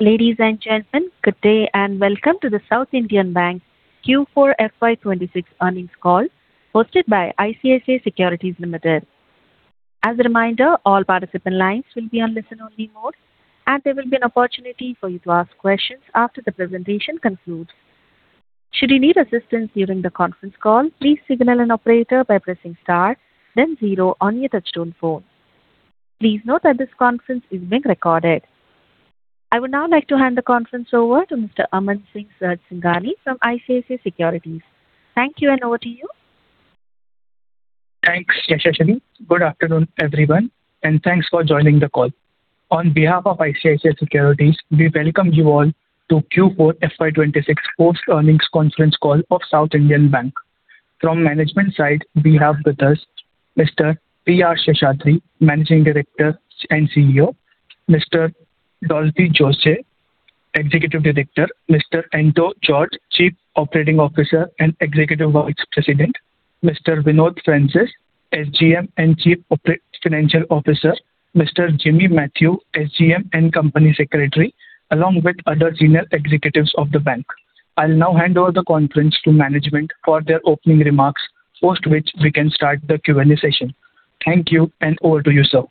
Ladies and gentlemen, good day and welcome to The South Indian Bank Q4 FY 2026 earnings call hosted by ICICI Securities Limited. As a reminder, all participant lines will be on listen-only mode, and there will be an opportunity for you to ask questions after the presentation concludes. I would now like to hand the conference over to Mr. Aman Daga from ICICI Securities. Thank you, and over to you. Thanks, Yashashwi. Good afternoon, everyone, and thanks for joining the call. On behalf of ICICI Securities, we welcome you all to Q4 FY 2026 post-earnings conference call of The South Indian Bank. From management side, we have with us Mr. P.R. Seshadri, Managing Director and CEO, Mr. Dolphy Jose, Executive Director, Mr. Anto George T, Chief Operating Officer and Executive Vice President, Mr. Vinod Francis, SGM and Chief Financial Officer, Mr. Jimmy Mathew, SGM and Company Secretary, along with other senior executives of the bank. I'll now hand over the conference to management for their opening remarks, post which we can start the Q&A session. Thank you, and over to you, sir.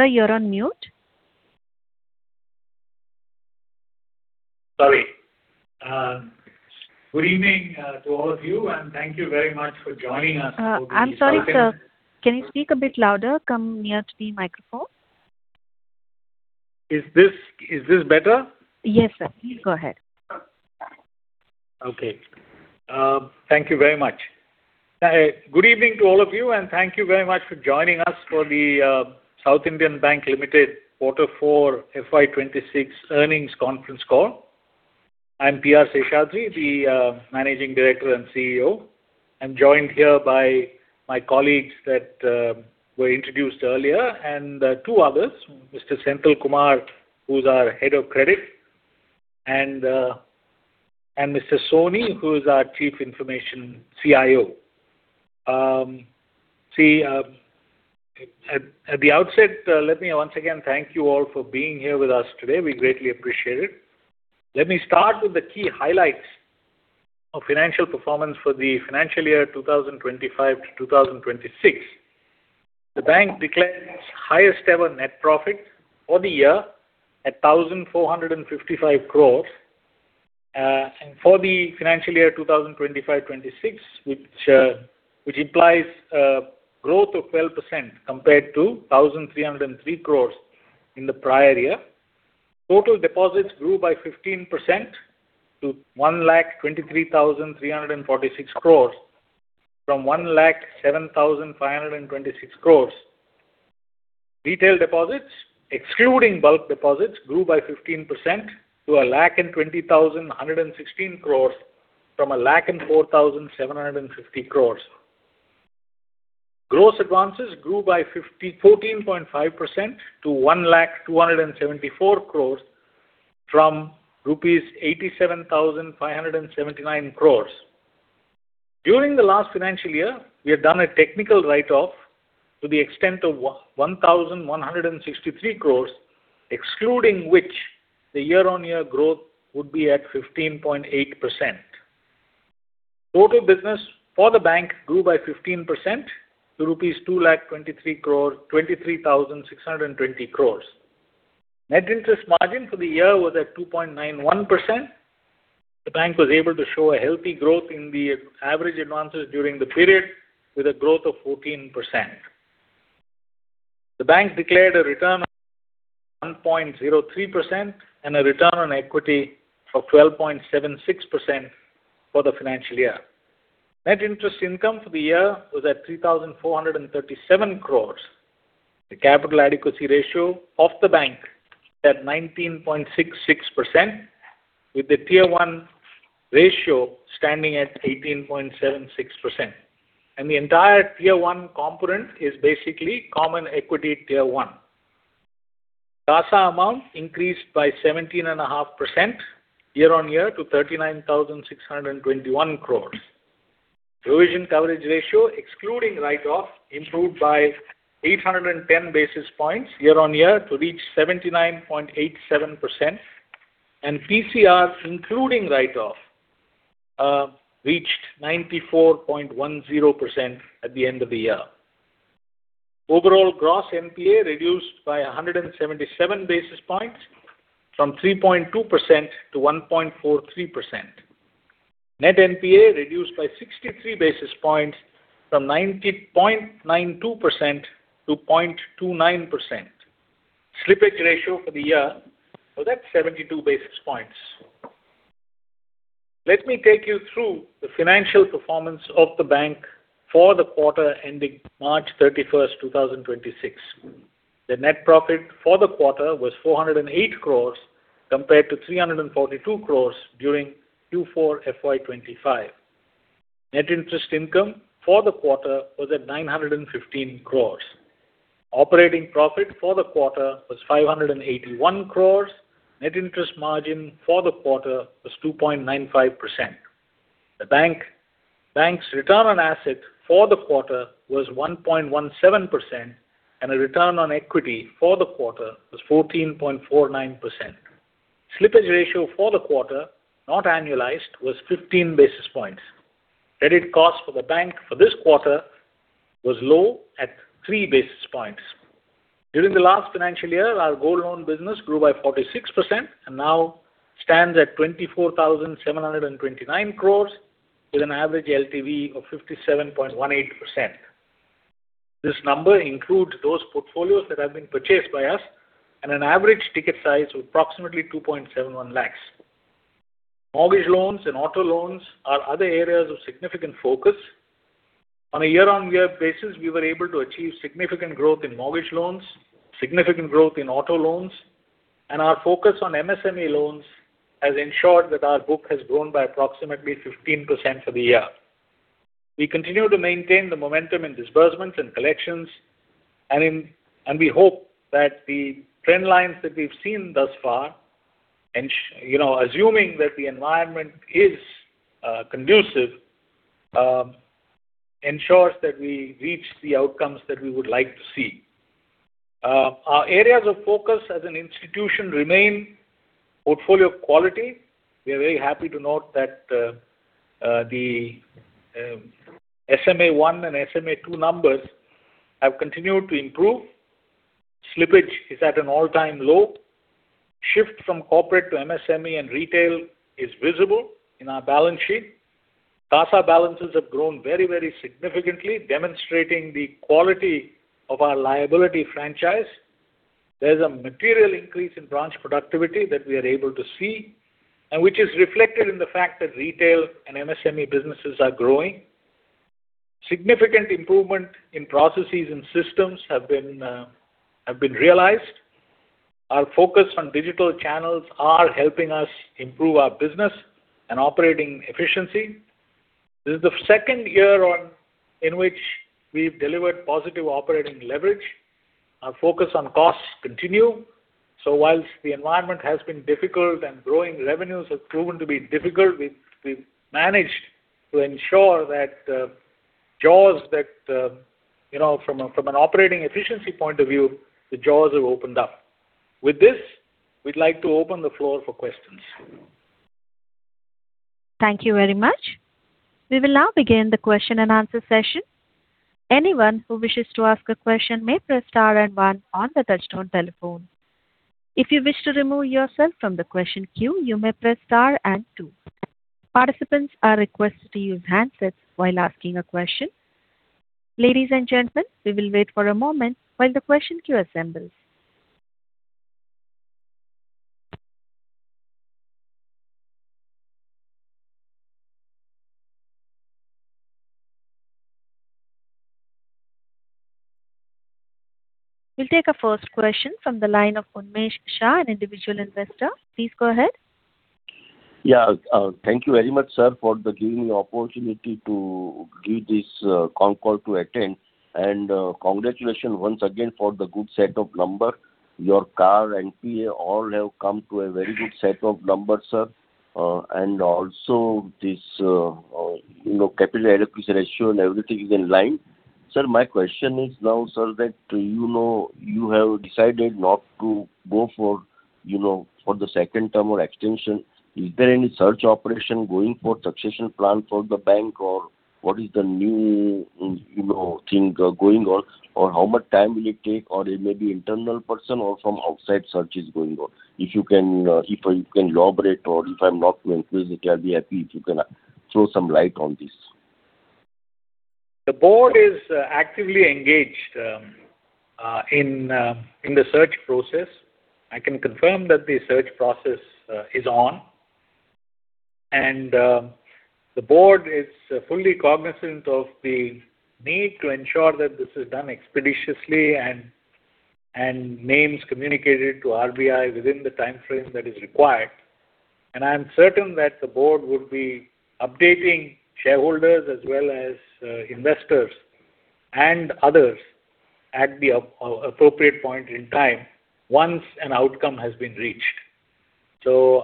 Sir, you're on mute. Sorry. Good evening to all of you, and thank you very much for joining us. I'm sorry, sir. Can you speak a bit louder? Come near to the microphone. Is this better? Yes, sir. Go ahead. Okay. Thank you very much. Good evening to all of you. Thank you very much for joining us for The South Indian Bank Limited Quarter 4 FY 2026 earnings conference call. I'm P.R. Seshadri, the Managing Director and CEO. I'm joined here by my colleagues that were introduced earlier and two others, Mr. Senthil Kumar, who's our Head of Credit and Mr. Sony A, who is our CIO. At the outset, let me once again thank you all for being here with us today. We greatly appreciate it. Let me start with the key highlights of financial performance for the financial year 2025 to 2026. The bank declared its highest ever net profit for the year at 1,455 crores. For the financial year 2025/2026, which implies growth of 12% compared to 1,303 crores in the prior year. Total deposits grew by 15% to 1,23,346 crores from 1,07,526 crores. Retail deposits, excluding bulk deposits, grew by 15% to 1,20,116 crores from 1,04,750 crores. Gross advances grew by 14.5% to 1,00,274 crores from rupees 87,579 crores. During the last financial year, we have done a technical write-off to the extent of 1,163 crores, excluding which the year-on-year growth would be at 15.8%. Total business for the bank grew by 15% to 23,620 crores. Net interest margin for the year was at 2.91%. The bank was able to show a healthy growth in the average advances during the period with a growth of 14%. The bank declared a return on assets of 0.03% and a return on equity of 12.76% for the financial year. Net interest income for the year was at 3,437 crores. The capital adequacy ratio of the bank at 19.66% with the Tier 1 ratio standing at 18.76%. The entire Tier 1 component is basically Common Equity Tier 1. CASA amount increased by 17.5% year-on-year to 39,621 crores. Provision coverage ratio, excluding write-off, improved by 810 basis points year-on-year to reach 79.87%. PCR, including write-off, reached 94.10% at the end of the year. Overall, gross NPA reduced by 177 basis points from 3.2% to 1.43%. Net NPA reduced by 63 basis points from 90.92% to 0.29%. Slippage ratio for the year was at 72 basis points. Let me take you through the financial performance of the bank for the quarter ending March 31, 2026. The net profit for the quarter was 408 crores compared to 342 crores during Q4 FY 2025. Net interest income for the quarter was at 915 crores. Operating profit for the quarter was 581 crores. Net interest margin for the quarter was 2.95%. The bank's return on asset for the quarter was 1.17% and a return on equity for the quarter was 14.49%. Slippage ratio for the quarter, not annualized, was 15 basis points. Credit cost for the bank for this quarter was low at 3 basis points. During the last financial year, our gold loan business grew by 46% and now stands at 24,729 crores with an average LTV of 57.18%. This number includes those portfolios that have been purchased by us and an average ticket size of approximately 2.71 lakhs. Mortgage loans and auto loans are other areas of significant focus. On a year-on-year basis, we were able to achieve significant growth in mortgage loans, significant growth in auto loans, and our focus on MSME loans has ensured that our book has grown by approximately 15% for the year. We continue to maintain the momentum in disbursements and collections and we hope that the trend lines that we've seen thus far, you know, assuming that the environment is conducive, ensures that we reach the outcomes that we would like to see. Our areas of focus as an institution remain portfolio quality. We are very happy to note that the SMA 1 and SMA 2 numbers have continued to improve. Slippage is at an all-time low. Shift from corporate to MSME and retail is visible in our balance sheet. CASA balances have grown very, very significantly, demonstrating the quality of our liability franchise. There's a material increase in branch productivity that we are able to see and which is reflected in the fact that retail and MSME businesses are growing. Significant improvement in processes and systems have been realized. Our focus on digital channels are helping us improve our business and operating efficiency. This is the second year on in which we've delivered positive operating leverage. Our focus on costs continue. Whilst the environment has been difficult and growing revenues have proven to be difficult, we've managed to ensure that jaws that, you know, from an operating efficiency point of view, the jaws have opened up. With this, we'd like to open the floor for questions. Thank you very much. We will now begin the question-and-answer session. Anyone who wishes to ask a question may press star and one on the touchtone telephone. If you wish to remove yourself from the question queue, you may press star and two. Participants are requested to use handsets while asking a question. Ladies and gentlemen, we will wait for a moment while the question queue assembles. We will take a first question from the line of Unmesh Shah, an individual investor. Please go ahead. Yeah. Thank you very much, sir, for the giving me opportunity to give this con call to attend. Congratulations once again for the good set of number. Your CAR and NPA all have come to a very good set of numbers, sir. Also this, you know, capital adequacy ratio and everything is in line. Sir, my question is now, sir, that you know you have decided not to go for, you know, for the second term or extension. Is there any search operation going for succession plan for the bank or what is the new, you know, thing going on? How much time will it take or it may be internal person or from outside search is going on? If you can, if you can elaborate or if I'm not going through it, I'll be happy if you can, throw some light on this. The board is actively engaged in the search process. I can confirm that the search process is on. The board is fully cognizant of the need to ensure that this is done expeditiously and names communicated to RBI within the timeframe that is required. I am certain that the board would be updating shareholders as well as investors and others at the appropriate point in time once an outcome has been reached.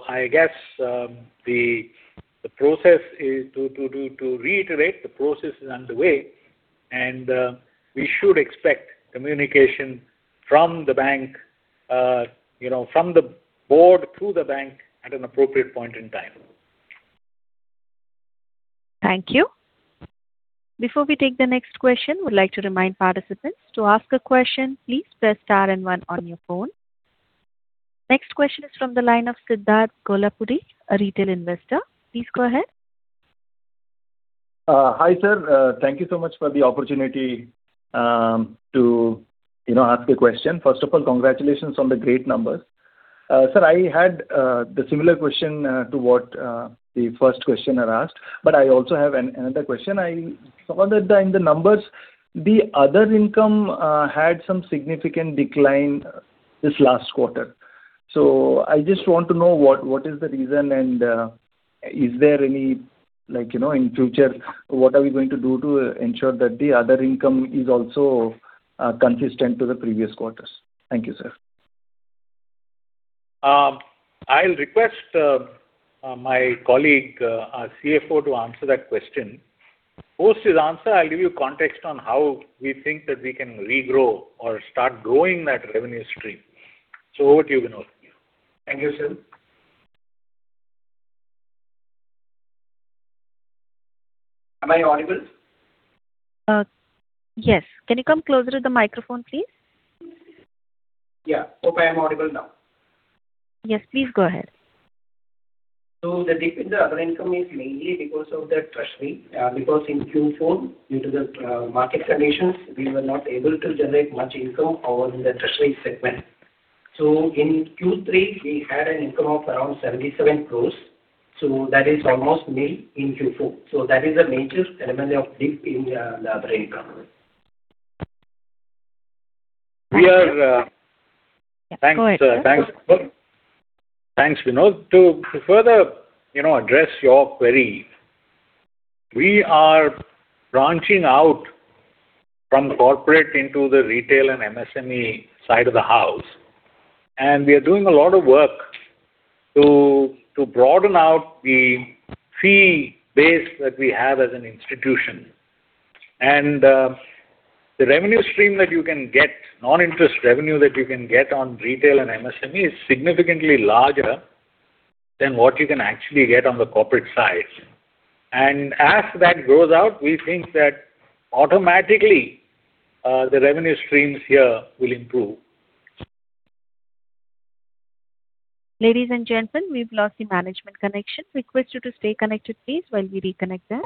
I guess the process is to reiterate the process is underway and we should expect communication from the bank, you know, from the board through the bank at an appropriate point in time. Thank you. Before we take the next question, we'd like to remind participants to ask a question, please press star and one on your phone. Next question is from the line of Siddharth Kolapuri, a retail investor. Please go ahead. Hi, sir. Thank you so much for the opportunity, you know, to ask a question. First of all, congratulations on the great numbers. Sir, I had the similar question to what the first questioner asked, but I also have another question. I saw that in the numbers the other income had some significant decline this last quarter. I just want to know what is the reason and is there any like, you know, in future, what are we going to do to ensure that the other income is also consistent to the previous quarters? Thank you, sir. I'll request my colleague, our CFO to answer that question. Post his answer, I'll give you context on how we think that we can regrow or start growing that revenue stream. Over to you, Vinod. Thank you, sir. Am I audible? Yes. Can you come closer to the microphone, please? Yeah. Hope I am audible now. Yes. Please go ahead. The dip in the other income is mainly because of the treasury. Because in Q4, due to the market conditions, we were not able to generate much income over in the treasury segment. In Q3, we had an income of around 77 crores. That is almost nil in Q4. That is the major element of dip in the other income. We are. Of course. Thanks, Vinod. To further, you know, address your query, we are branching out from corporate into the retail and MSME side of the house, and we are doing a lot of work to broaden out the fee base that we have as an institution. The revenue stream that you can get, non-interest revenue that you can get on retail and MSME is significantly larger than what you can actually get on the corporate side. As that grows out, we think that automatically, the revenue streams here will improve. Ladies and gentlemen, we've lost the management connection. Request you to stay connected, please, while we reconnect them.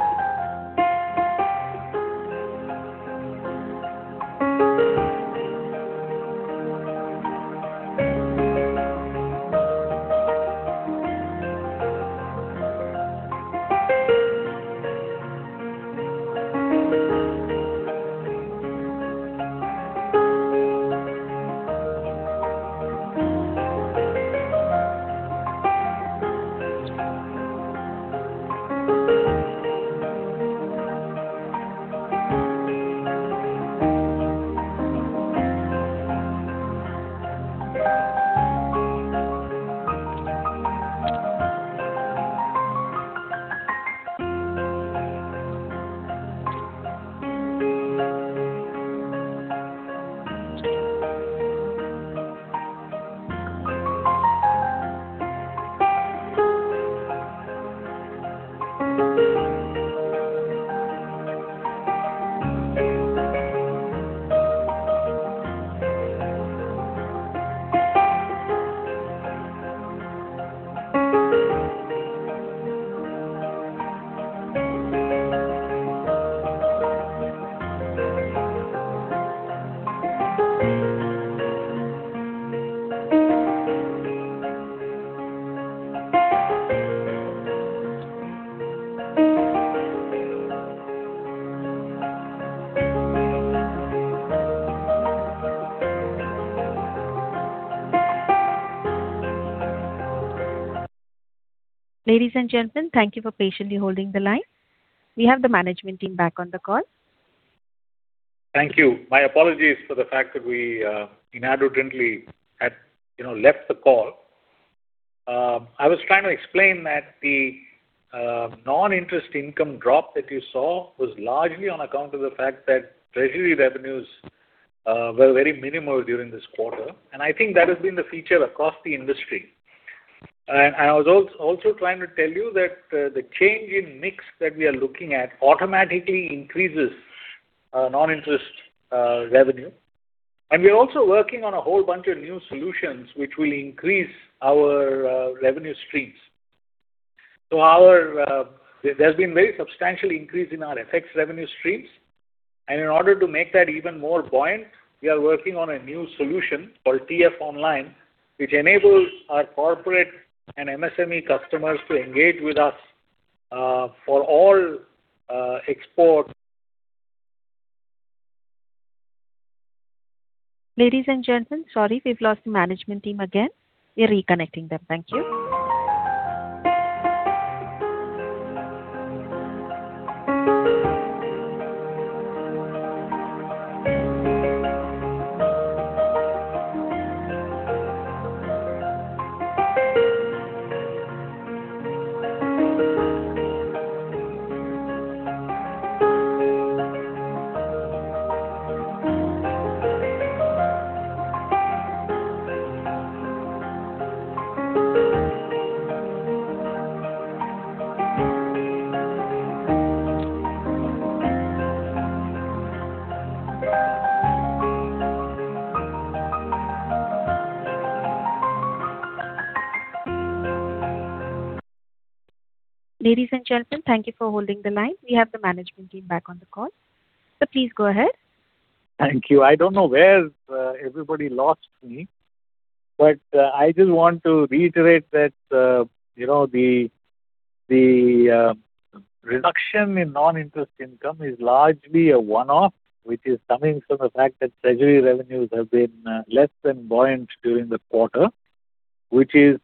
Ladies and gentlemen, thank you for patiently holding the line. We have the management team back on the call. Thank you. My apologies for the fact that we inadvertently had, you know, left the call. I was trying to explain that the non-interest income drop that you saw was largely on account of the fact that treasury revenues were very minimal during this quarter, and I think that has been the feature across the industry. I was also trying to tell you that the change in mix that we are looking at automatically increases non-interest revenue. We are also working on a whole bunch of new solutions which will increase our revenue streams. Our, there's been very substantial increase in our FX revenue streams. In order to make that even more buoyant, we are working on a new solution called SIB TF Online, which enables our corporate and MSME customers to engage with us, for all, export- Ladies and gentlemen, sorry, we've lost the management team again. We're reconnecting them. Thank you. Ladies and gentlemen, thank you for holding the line. We have the management team back on the call. Sir, please go ahead. Thank you. I don't know where everybody lost me, but I just want to reiterate that, you know, The reduction in non-interest income is largely a one-off, which is coming from the fact that treasury revenues have been less than buoyant during the quarter, which is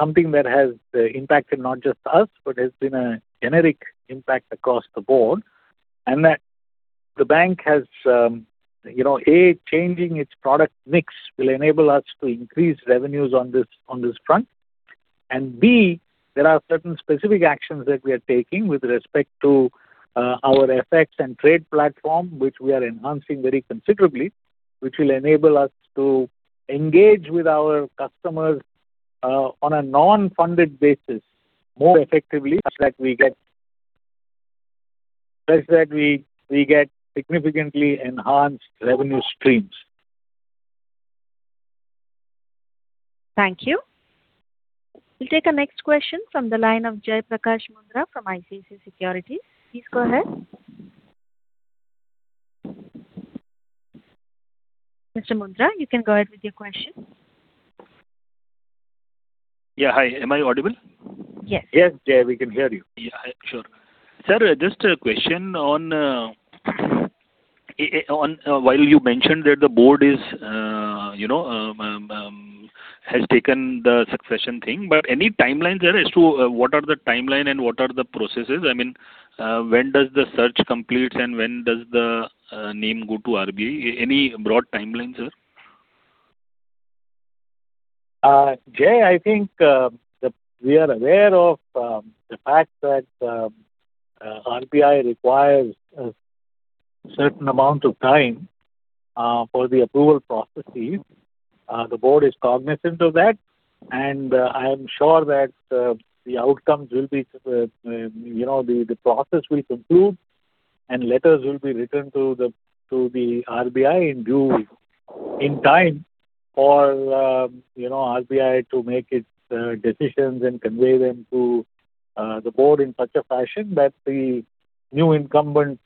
something that has impacted not just us, but has been a generic impact across the board. That the bank has, you know, A, changing its product mix will enable us to increase revenues on this, on this front. B, there are certain specific actions that we are taking with respect to our FX and trade platform, which we are enhancing very considerably, which will enable us to engage with our customers on a non-funded basis more effectively such that we get significantly enhanced revenue streams. Thank you. We'll take our next question from the line of Jai Prakash Mundhra from ICICI Securities. Please go ahead. Mr. Mundhra, you can go ahead with your question. Yeah. Hi. Am I audible? Yes. Yes, Jai, we can hear you. Yeah. Sure. Sir, just a question on while you mentioned that the board is, you know, has taken the succession thing, but any timeline there as to what are the timeline and what are the processes? I mean, when does the search complete and when does the name go to RBI? Any broad timelines, sir? Jai Prakash Mundhra, I think, we are aware of the fact that RBI requires a certain amount of time for the approval processes. The board is cognizant of that, and I am sure that the outcomes will be, you know, the process will conclude and letters will be written to the RBI in due, in time for, you know, RBI to make its decisions and convey them to the board in such a fashion that the new incumbent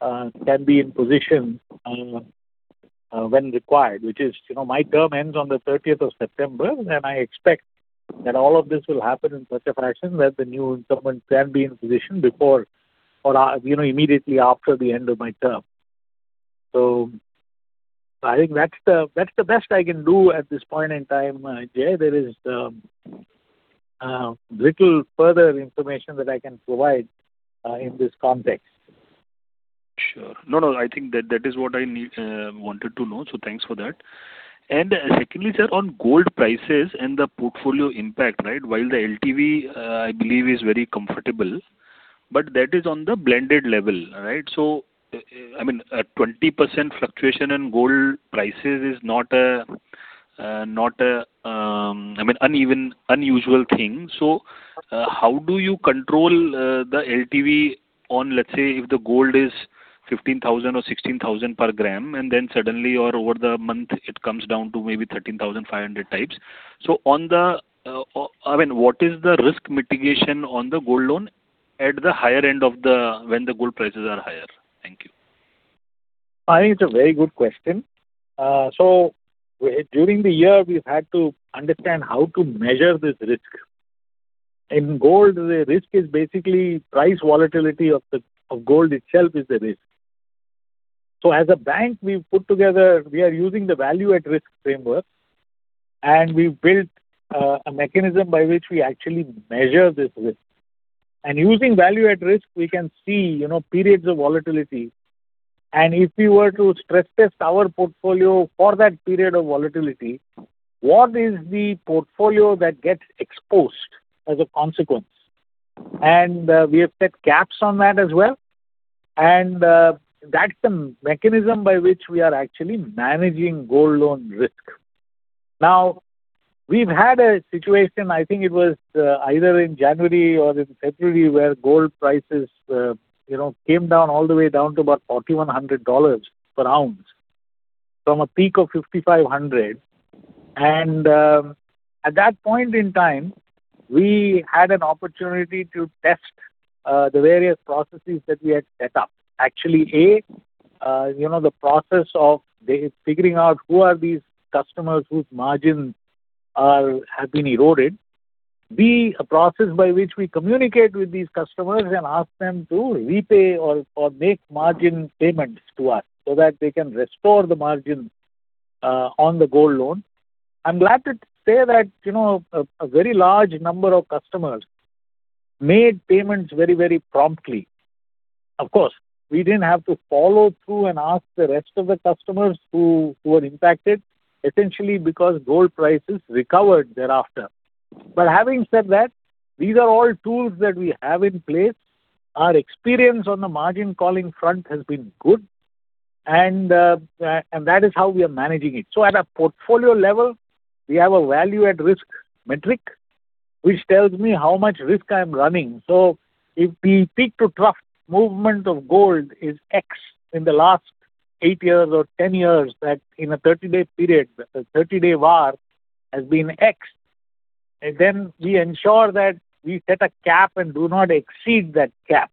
can be in position when required. Which is, you know, my term ends on the 30th of September, and I expect that all of this will happen in such a fashion that the new incumbent can be in position before or, you know, immediately after the end of my term. I think that's the best I can do at this point in time, Jai. There is little further information that I can provide in this context. Sure. No, no, I think that is what I wanted to know. Thanks for that. Secondly, sir, on gold prices and the portfolio impact, right? While the LTV, I believe is very comfortable, that is on the blended level, right? I mean, a 20% fluctuation in gold prices is not an uneven, unusual thing. How do you control the LTV on, let's say, if the gold is 15,000 or 16,000 per gram, suddenly or over the month it comes down to maybe 13,500 types. I mean, what is the risk mitigation on the gold loan at the higher end of when the gold prices are higher? Thank you. I think it's a very good question. During the year, we've had to understand how to measure this risk. In gold, the risk is basically price volatility of gold itself is a risk. As a bank, we are using the value at risk framework, and we've built a mechanism by which we actually measure this risk. Using value at risk, we can see, you know, periods of volatility. If we were to stress test our portfolio for that period of volatility, what is the portfolio that gets exposed as a consequence? We have set caps on that as well. That's the mechanism by which we are actually managing gold loan risk. Now, we've had a situation, I think it was, either in January or in February, where gold prices came down all the way down to about $4,100 per ounce from a peak of $5,500. At that point in time, we had an opportunity to test the various processes that we had set up. Actually, A, the process of the figuring out who are these customers whose margins are, have been eroded. B, a process by which we communicate with these customers and ask them to repay or make margin payments to us so that they can restore the margin on the gold loan. I'm glad to say that, a very large number of customers made payments very promptly. Of course, we didn't have to follow through and ask the rest of the customers who were impacted, essentially because gold prices recovered thereafter. Having said that, these are all tools that we have in place. Our experience on the margin calling front has been good, and that is how we are managing it. At a portfolio level, we have a value at risk metric which tells me how much risk I am running. If the peak to trough movement of gold is X in the last eight years or 10 years that in a 30-day period, the 30-day VaR has been X, then we ensure that we set a cap and do not exceed that cap.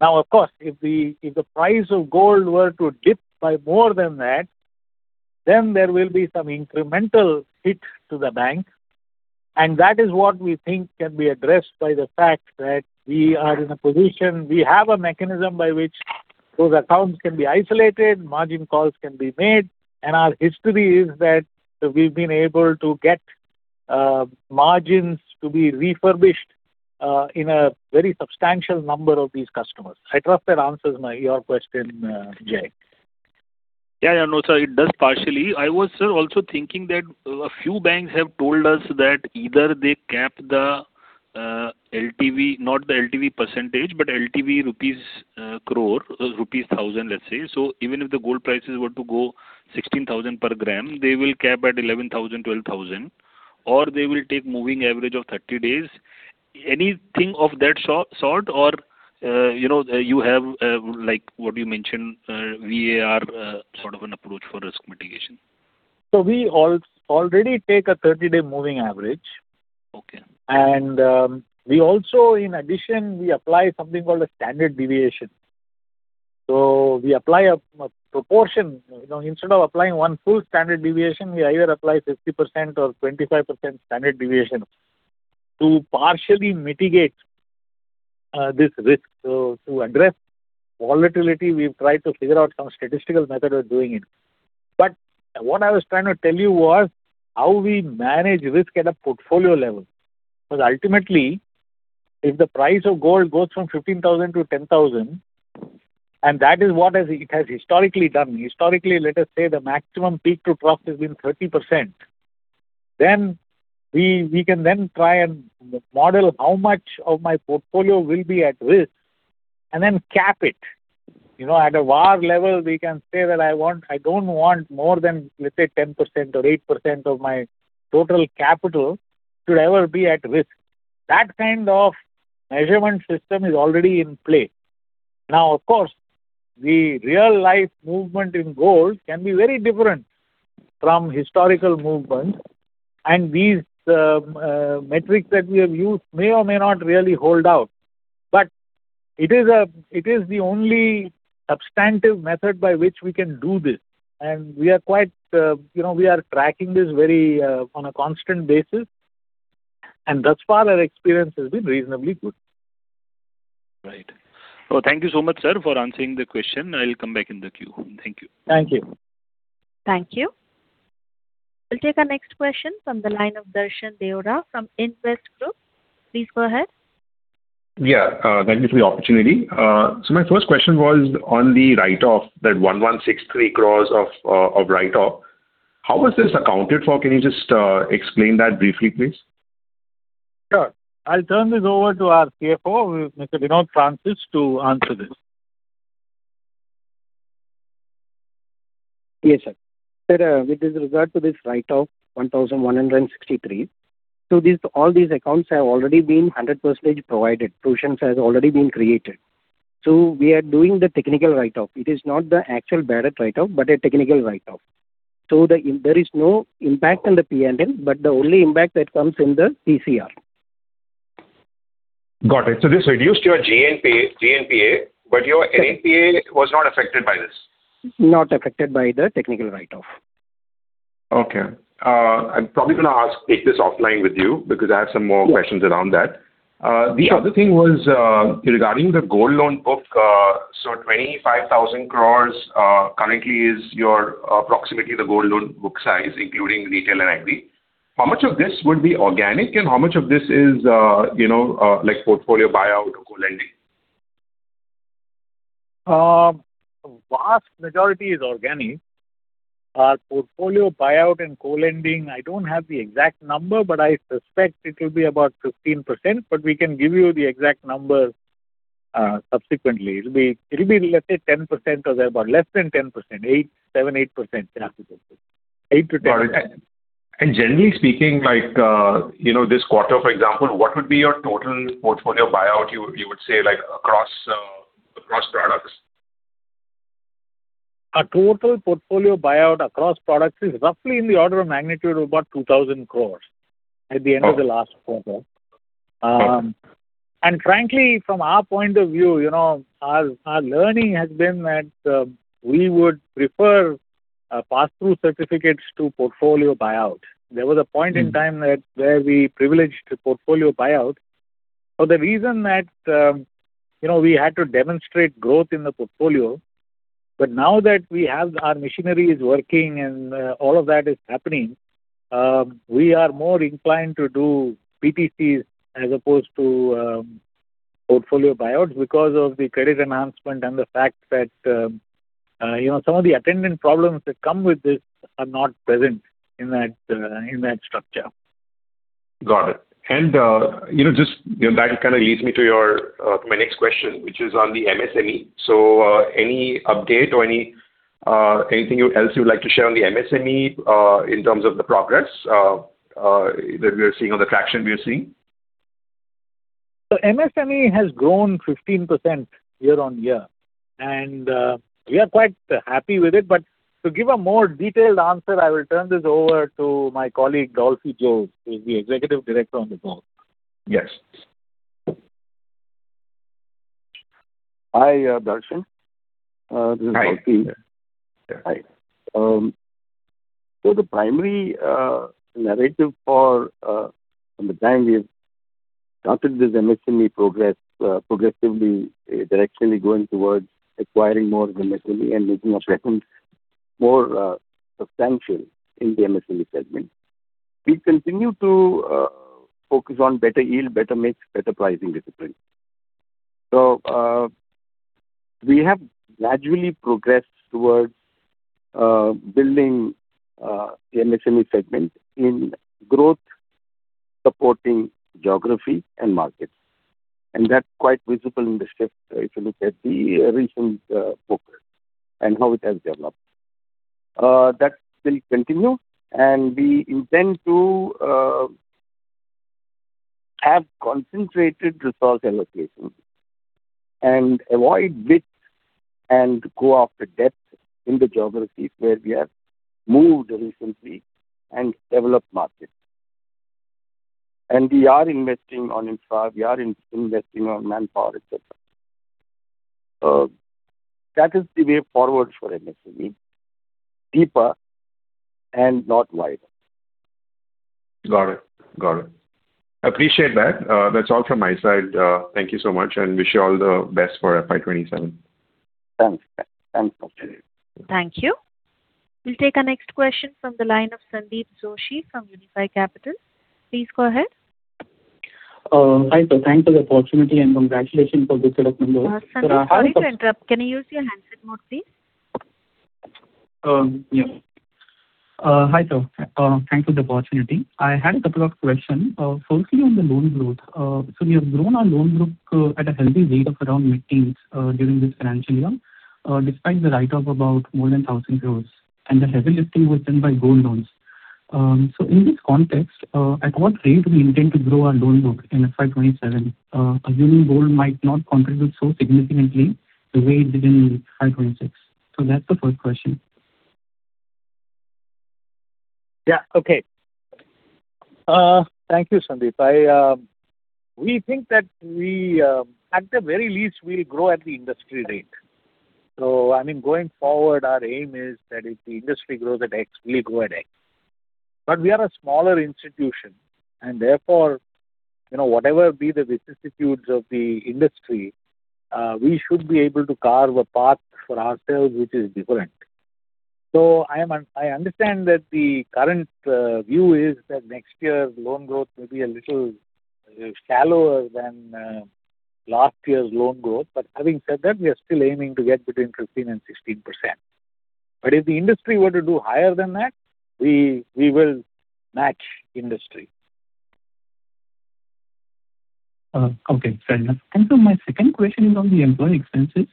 Now of course, if the price of gold were to dip by more than that. There will be some incremental hit to the bank, and that is what we think can be addressed by the fact that we are in a position. We have a mechanism by which those accounts can be isolated, margin calls can be made, and our history is that we've been able to get margins to be refurbished in a very substantial number of these customers. I trust that answers your question, Jai. Yeah, yeah. No, sir, it does partially. I was, sir, also thinking that a few banks have told us that either they cap the LTV, not the LTV percentage, but LTV rupees crore, rupees thousand, let's say. Even if the gold prices were to go 16,000 per gram, they will cap at 11,000, 12,000, or they will take moving average of 30 days. Anything of that sort or, you know, you have, like what you mentioned, VAR, sort of an approach for risk mitigation. We already take a 30-day moving average. Okay. We also in addition, we apply something called a standard deviation. We apply a proportion. You know, instead of applying one full standard deviation, we either apply 50% or 25% standard deviation to partially mitigate this risk. To address volatility, we've tried to figure out some statistical method of doing it. What I was trying to tell you was how we manage risk at a portfolio level. Ultimately, if the price of gold goes from 15,000 to 10,000, and that is what it has historically done. Historically, let us say the maximum peak to trough has been 30%, then we can then try and model how much of my portfolio will be at risk and then cap it. You know, at a VaR level, we can say that I don't want more than, let's say, 10% or 8% of my total capital to ever be at risk. That kind of measurement system is already in play. Of course, the real-life movement in gold can be very different from historical movements, and these metrics that we have used may or may not really hold out. It is the only substantive method by which we can do this, and we are quite, you know, we are tracking this very on a constant basis, and thus far our experience has been reasonably good. Right. Well, thank you so much, sir, for answering the question. I'll come back in the queue. Thank you. Thank you. Thank you. We will take our next question from the line of Darshan Deora from Indvest Group. Please go ahead. Thank you for the opportunity. My first question was on the write-off, that 1,163 crore of write-off. How was this accounted for? Can you just explain that briefly, please? Sure. I'll turn this over to our CFO, Mr. Vinod Francis, to answer this. Yes, sir. Sir, with regard to this write-off, 1,163 crore. All these accounts have already been 100% provided. Provisions has already been created. We are doing the technical write-off. It is not the actual bad debt write-off, but a technical write-off. There is no impact on the P&L, but the only impact that comes in the TCR. Got it. This reduced your GNPA, but your NPA was not affected by this. Not affected by the technical write-off. Okay. I'm probably gonna take this offline with you. Sure. -questions around that. The other thing was regarding the gold loan book. So 25,000 crores currently is your, approximately the gold loan book size, including retail and Agri. How much of this would be organic, and how much of this is, you know, like portfolio buyout or co-lending? Vast majority is organic. Portfolio buyout and co-lending, I don't have the exact number, but I suspect it will be about 15%, but we can give you the exact number subsequently. It'll be, let's say 10% or thereabout. Less than 10%. 8%, 7%, 8%. Yeah. 8%-10%. Got it. Generally speaking, like, you know, this quarter, for example, what would be your total portfolio buyout, you would say, like across products? Our total portfolio buyout across products is roughly in the order of magnitude of about 2,000 crores at the end of the last quarter. Frankly, from our point of view, you know, our learning has been that we would prefer pass-through certificates to portfolio buyout. There was a point in time that where we privileged portfolio buyout for the reason that, you know, we had to demonstrate growth in the portfolio. Now that we have our machinery is working and all of that is happening, we are more inclined to do PTCs as opposed to portfolio buyouts because of the credit enhancement and the fact that, you know, some of the attendant problems that come with this are not present in that in that structure. Got it. You know, that kind of leads me to my next question, which is on the MSME. Any update or anything else you would like to share on the MSME in terms of the progress that we are seeing or the traction we are seeing? MSME has grown 15% year on year, and we are quite happy with it. To give a more detailed answer, I will turn this over to my colleague, Dolphy Jose, who is the Executive Director on the call. Yes. Hi, Darshan. This is Dolphy Jose. Hi. Hi. The primary narrative for from the time we've started this MSME progress, progressively, directionally going towards acquiring more MSME and making our presence more substantial in the MSME segment. We continue to focus on better yield, better mix, better pricing discipline. We have gradually progressed towards building the MSME segment in growth-supporting geography and markets, and that's quite visible in the shift, if you look at the recent progress and how it has developed. That will continue, and we intend to have concentrated resource allocation and avoid width and go after depth in the geographies where we have moved recently and developed markets. We are investing on infra, we are investing on manpower, et cetera. That is the way forward for MSME, deeper and not wider. Got it. Got it. Appreciate that. That's all from my side. Thank you so much and wish you all the best for FY 2027. Thanks. Thanks. Thanks. Thank you. We will take our next question from the line of Sandeep Joshi from Unifi Capital. Please go ahead. Hi, sir. Thanks for the opportunity, and congratulations for this set of numbers. Sandeep, sorry to interrupt. Can you use your handset mode, please? Yeah. Hi, sir. Thanks for the opportunity. I had two question, firstly on the loan growth. We have grown our loan book at a healthy rate of around mid-teens during this financial year, despite the write-off about more than 1,000 crores and the heavy lifting was done by gold loans. In this context, at what rate do we intend to grow our loan book in FY 2027, assuming gold might not contribute so significantly the way it did in FY 2026? That's the first question. Yeah. Okay. Thank you, Sandeep. We think that we, at the very least, we'll grow at the industry rate. I mean, going forward, our aim is that if the industry grows at X, we'll grow at X. We are a smaller institution, and therefore, you know, whatever be the vicissitudes of the industry, we should be able to carve a path for ourselves which is different. I understand that the current view is that next year's loan growth may be a little shallower than last year's loan growth. Having said that, we are still aiming to get between 15% and 16%. If the industry were to do higher than that, we will match industry. Okay. Fair enough. My second question is on the employee expenses.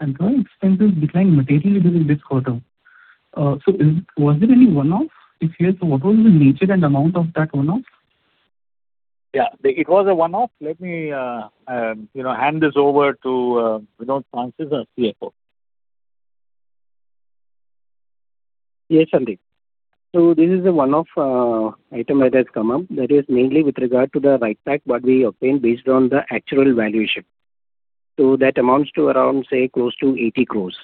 Employee expenses declined materially during this quarter. Was there any one-off? If yes, what was the nature and amount of that one-off? Yeah. It was a one-off. Let me, you know, hand this over to Vinod Francis, our CFO. Yes, Sandeep Joshi. This is a one-off item that has come up. That is mainly with regard to the write back what we obtained based on the actual valuation. That amounts to around, say, close to 80 crores.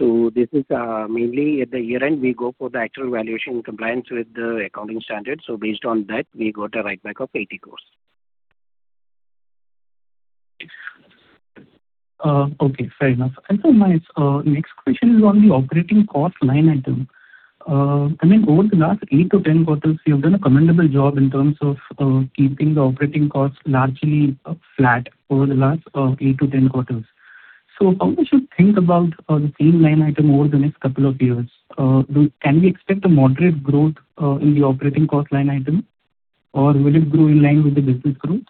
This is mainly at the year-end, we go for the actual valuation in compliance with the accounting standards. Based on that, we got a write back of 80 crores. Okay. Fair enough. My next question is on the operating cost line item. I mean, over the last 8-10 quarters, you've done a commendable job in terms of keeping the operating costs largely flat over the last 8-10 quarters. How we should think about the same line item over the next couple of years? Can we expect a moderate growth in the operating cost line item, or will it grow in line with the business growth?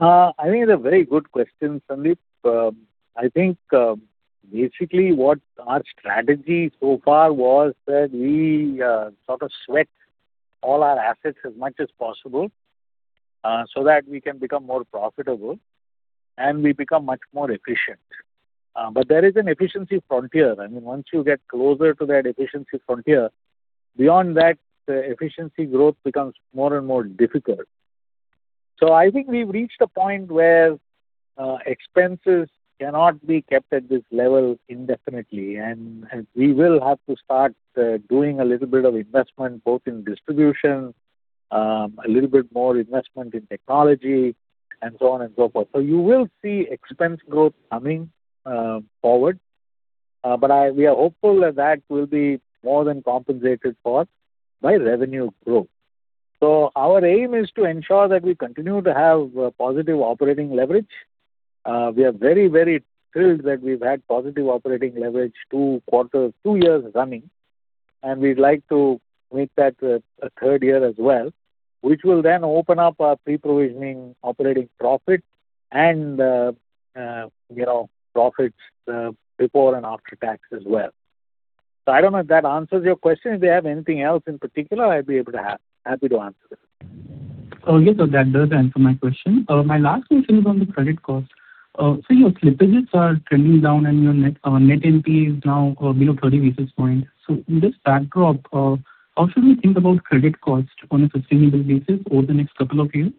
I think it's a very good question, Sandeep. I think, basically what our strategy so far was that we sort of sweat all our assets as much as possible, so that we can become more profitable and we become much more efficient. There is an efficiency frontier. I mean, once you get closer to that efficiency frontier, beyond that, the efficiency growth becomes more and more difficult. I think we've reached a point where expenses cannot be kept at this level indefinitely, and we will have to start doing a little bit of investment, both in distribution, a little bit more investment in technology and so on and so forth. You will see expense growth coming forward. We are hopeful that that will be more than compensated for by revenue growth. Our aim is to ensure that we continue to have positive operating leverage. We are very, very thrilled that we've had positive operating leverage two quarters, two years running, and we'd like to make that a third year as well, which will then open up our pre-provisioning operating profit and, you know, profits before and after tax as well. I don't know if that answers your question. If you have anything else in particular, I'd be able to happy to answer it. Yes, sir. That does answer my question. My last question is on the credit cost. So your slippages are trending down and your net NP is now below 30 basis points. In this backdrop, how should we think about credit cost on a sustainable basis over the next couple of years?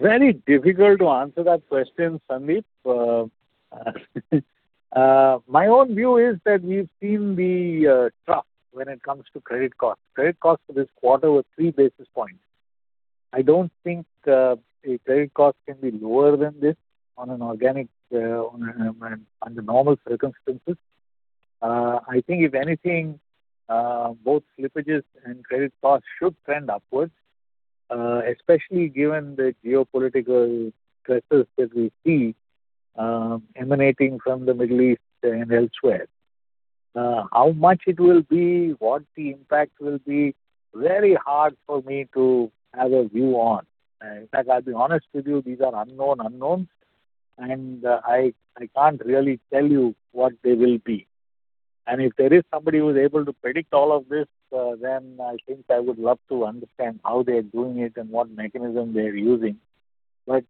Very difficult to answer that question, Sandeep. My own view is that we've seen the trough when it comes to credit costs. Credit costs for this quarter were 3 basis points. I don't think a credit cost can be lower than this on an organic under normal circumstances. I think if anything, both slippages and credit costs should trend upwards, especially given the geopolitical stresses that we see emanating from the Middle East and elsewhere. How much it will be, what the impact will be, very hard for me to have a view on. In fact, I'll be honest with you, these are unknown unknowns, and I can't really tell you what they will be. If there is somebody who is able to predict all of this, then I think I would love to understand how they're doing it and what mechanism they're using. Right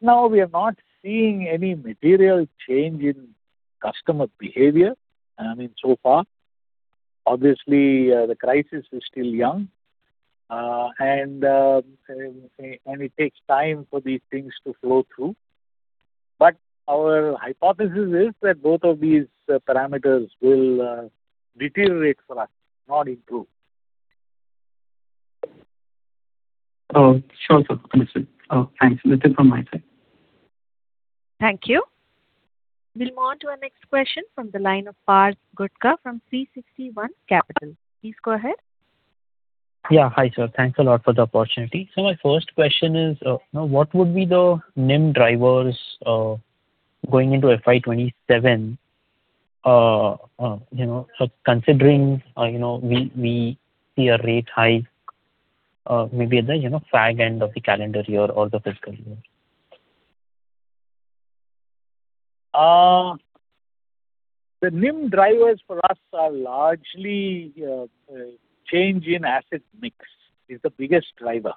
now we are not seeing any material change in customer behavior, I mean, so far. Obviously, the crisis is still young, and it takes time for these things to flow through. Our hypothesis is that both of these parameters will deteriorate for us, not improve. Oh, sure, sir. Understood. Oh, thanks. That's it from my side. Thank you. We'll move on to our next question from the line of Parth Gutka from 360 One Capital. Please go ahead. Yeah. Hi, sir. Thanks a lot for the opportunity. My first question is, you know, what would be the NIM drivers going into FY 2027? You know, considering, you know, we see a rate hike, maybe at the, you know, fag end of the calendar year or the fiscal year. The NIM drivers for us are largely change in asset mix is the biggest driver.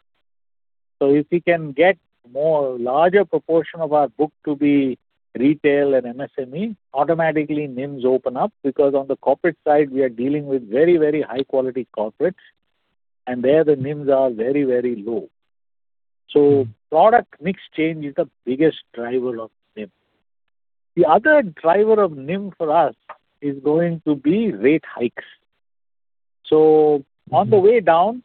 If we can get more larger proportion of our book to be retail and MSME, automatically NIMs open up because on the corporate side we are dealing with very, very high-quality corporates, and there the NIMs are very, very low. Product mix change is the biggest driver of NIM. The other driver of NIM for us is going to be rate hikes. On the way down,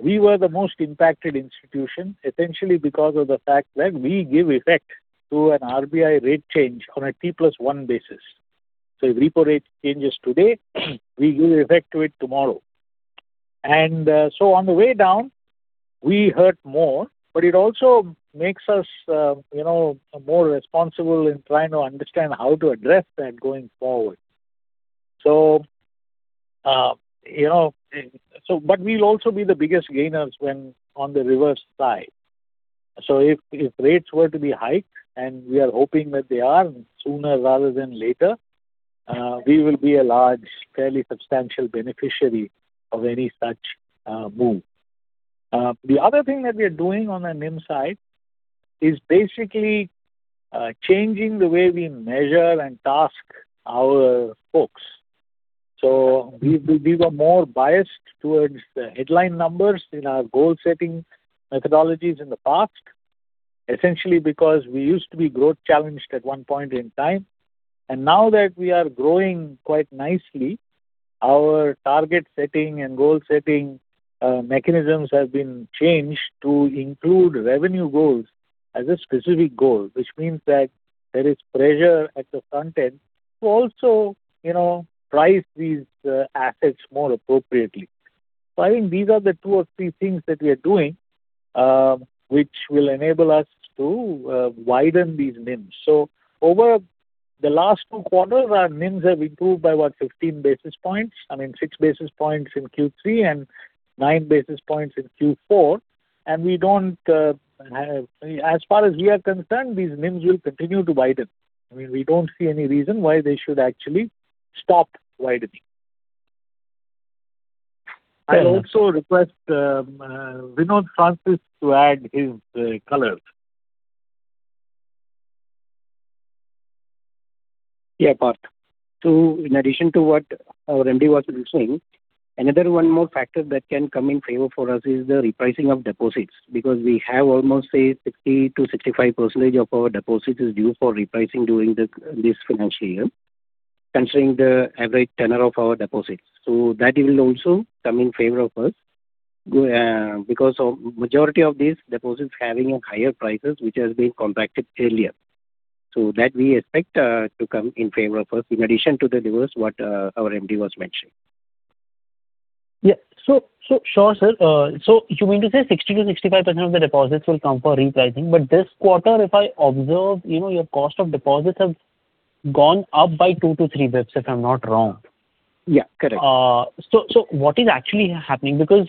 we were the most impacted institution, essentially because of the fact that we give effect to an RBI rate change on a T+1 basis. If repo rate changes today, we give effect to it tomorrow. On the way down we hurt more, but it also makes us, you know, more responsible in trying to understand how to address that going forward. You know, we'll also be the biggest gainers when on the reverse side. If rates were to be hiked, and we are hoping that they are sooner rather than later, we will be a large, fairly substantial beneficiary of any such move. The other thing that we are doing on the NIM side is basically changing the way we measure and task our folks. We were more biased towards the headline numbers in our goal-setting methodologies in the past, essentially because we used to be growth challenged at one point in time. Now that we are growing quite nicely, our target setting and goal setting mechanisms have been changed to include revenue goals as a specific goal, which means that there is pressure at the front end to also, you know, price these assets more appropriately. I think these are the two or three things that we are doing which will enable us to widen these NIMs. Over the last two quarters, our NIMs have improved by, what, 15 basis points. I mean, 6 basis points in Q3 and 9 basis points in Q4. As far as we are concerned, these NIMs will continue to widen. I mean, we don't see any reason why they should actually stop widening. Thank you. I also request Vinod Francis to add his colors. Yeah, Parth. In addition to what our MD was saying, another one more factor that can come in favor for us is the repricing of deposits, because we have almost, say, 60% to 65% of our deposit is due for repricing during this financial year, considering the average tenure of our deposits. That will also come in favor of us because of majority of these deposits having a higher prices which has been contracted earlier. That we expect to come in favor of us in addition to the levers what our MD was mentioning. Yeah. Sure, sir. You mean to say 60%-65% of the deposits will come for repricing. This quarter, if I observe, you know, your cost of deposits have gone up by 2 to 3 basis points, if I'm not wrong? Yeah, correct. What is actually happening? Because,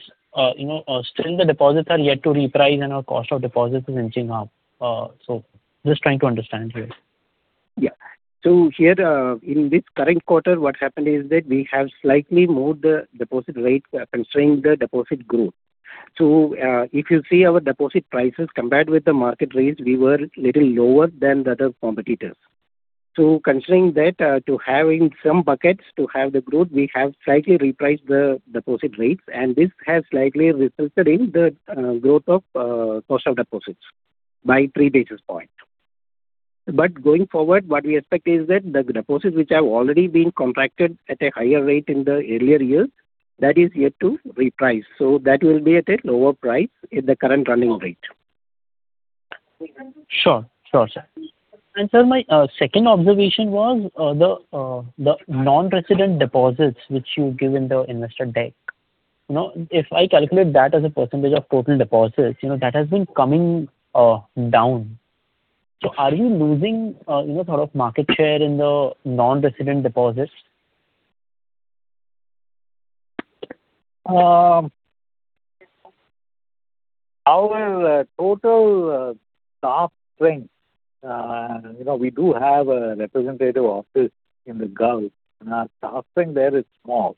you know, still the deposits are yet to reprice and our cost of deposits is inching up. Just trying to understand here. Yeah. Here, in this current quarter, what happened is that we have slightly moved the deposit rates, considering the deposit growth. If you see our deposit prices compared with the market rates, we were little lower than the other competitors. Considering that, to having some buckets to have the growth, we have slightly repriced the deposit rates, and this has slightly resulted in the growth of South deposits by 3 basis point. Going forward, what we expect is that the deposits which have already been contracted at a higher rate in the earlier years, that is yet to reprice. That will be at a lower price in the current running rate. Sure. Sure, sir. Sir, my second observation was the non-resident deposits which you give in the investor deck. If I calculate that as a % of total deposits, you know, that has been coming down. Are you losing, you know, sort of market share in the non-resident deposits? Our total staff strength, you know, we do have a representative office in the Gulf, and our staff strength there is small.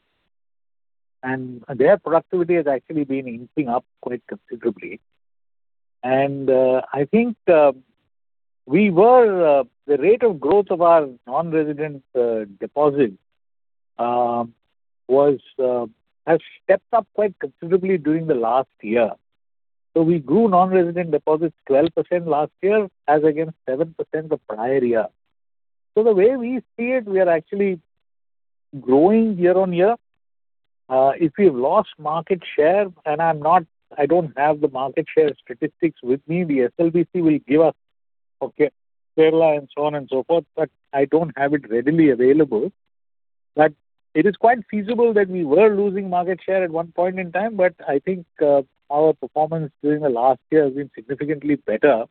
Their productivity has actually been inching up quite considerably. I think the rate of growth of our non-resident deposits has stepped up quite considerably during the last year. We grew non-resident deposits 12% last year as against 7% the prior year. The way we see it, we are actually growing year on year. If we have lost market share, I don't have the market share statistics with me. The SLBC will give us, okay, Kerala and so on and so forth, but I don't have it readily available. It is quite feasible that we were losing market share at one point in time, but I think our performance during the last year has been significantly better.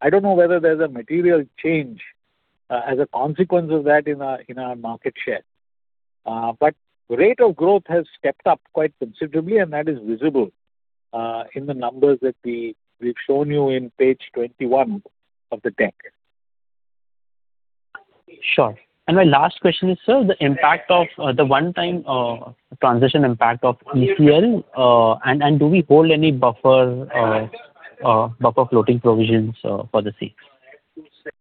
I don't know whether there's a material change as a consequence of that in our, in our market share. Rate of growth has stepped up quite considerably, and that is visible in the numbers that we've shown you in page 21 of the deck. Sure. My last question is, sir, the impact of the one-time transition impact of ECL, and do we hold any buffer floating provisions for the risks?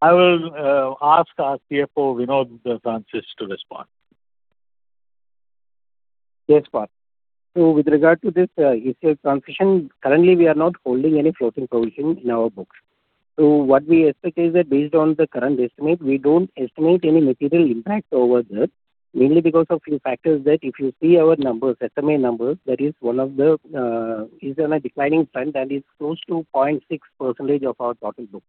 I will ask our CFO, Vinod Francis, to respond. Yes, sir. With regard to this ECL transition, currently we are not holding any floating provision in our books. What we expect is that based on the current estimate, we don't estimate any material impact over that, mainly because of few factors that if you see our numbers, SMA numbers, that is one of the, is on a declining trend and is close to 0.6% of our total book.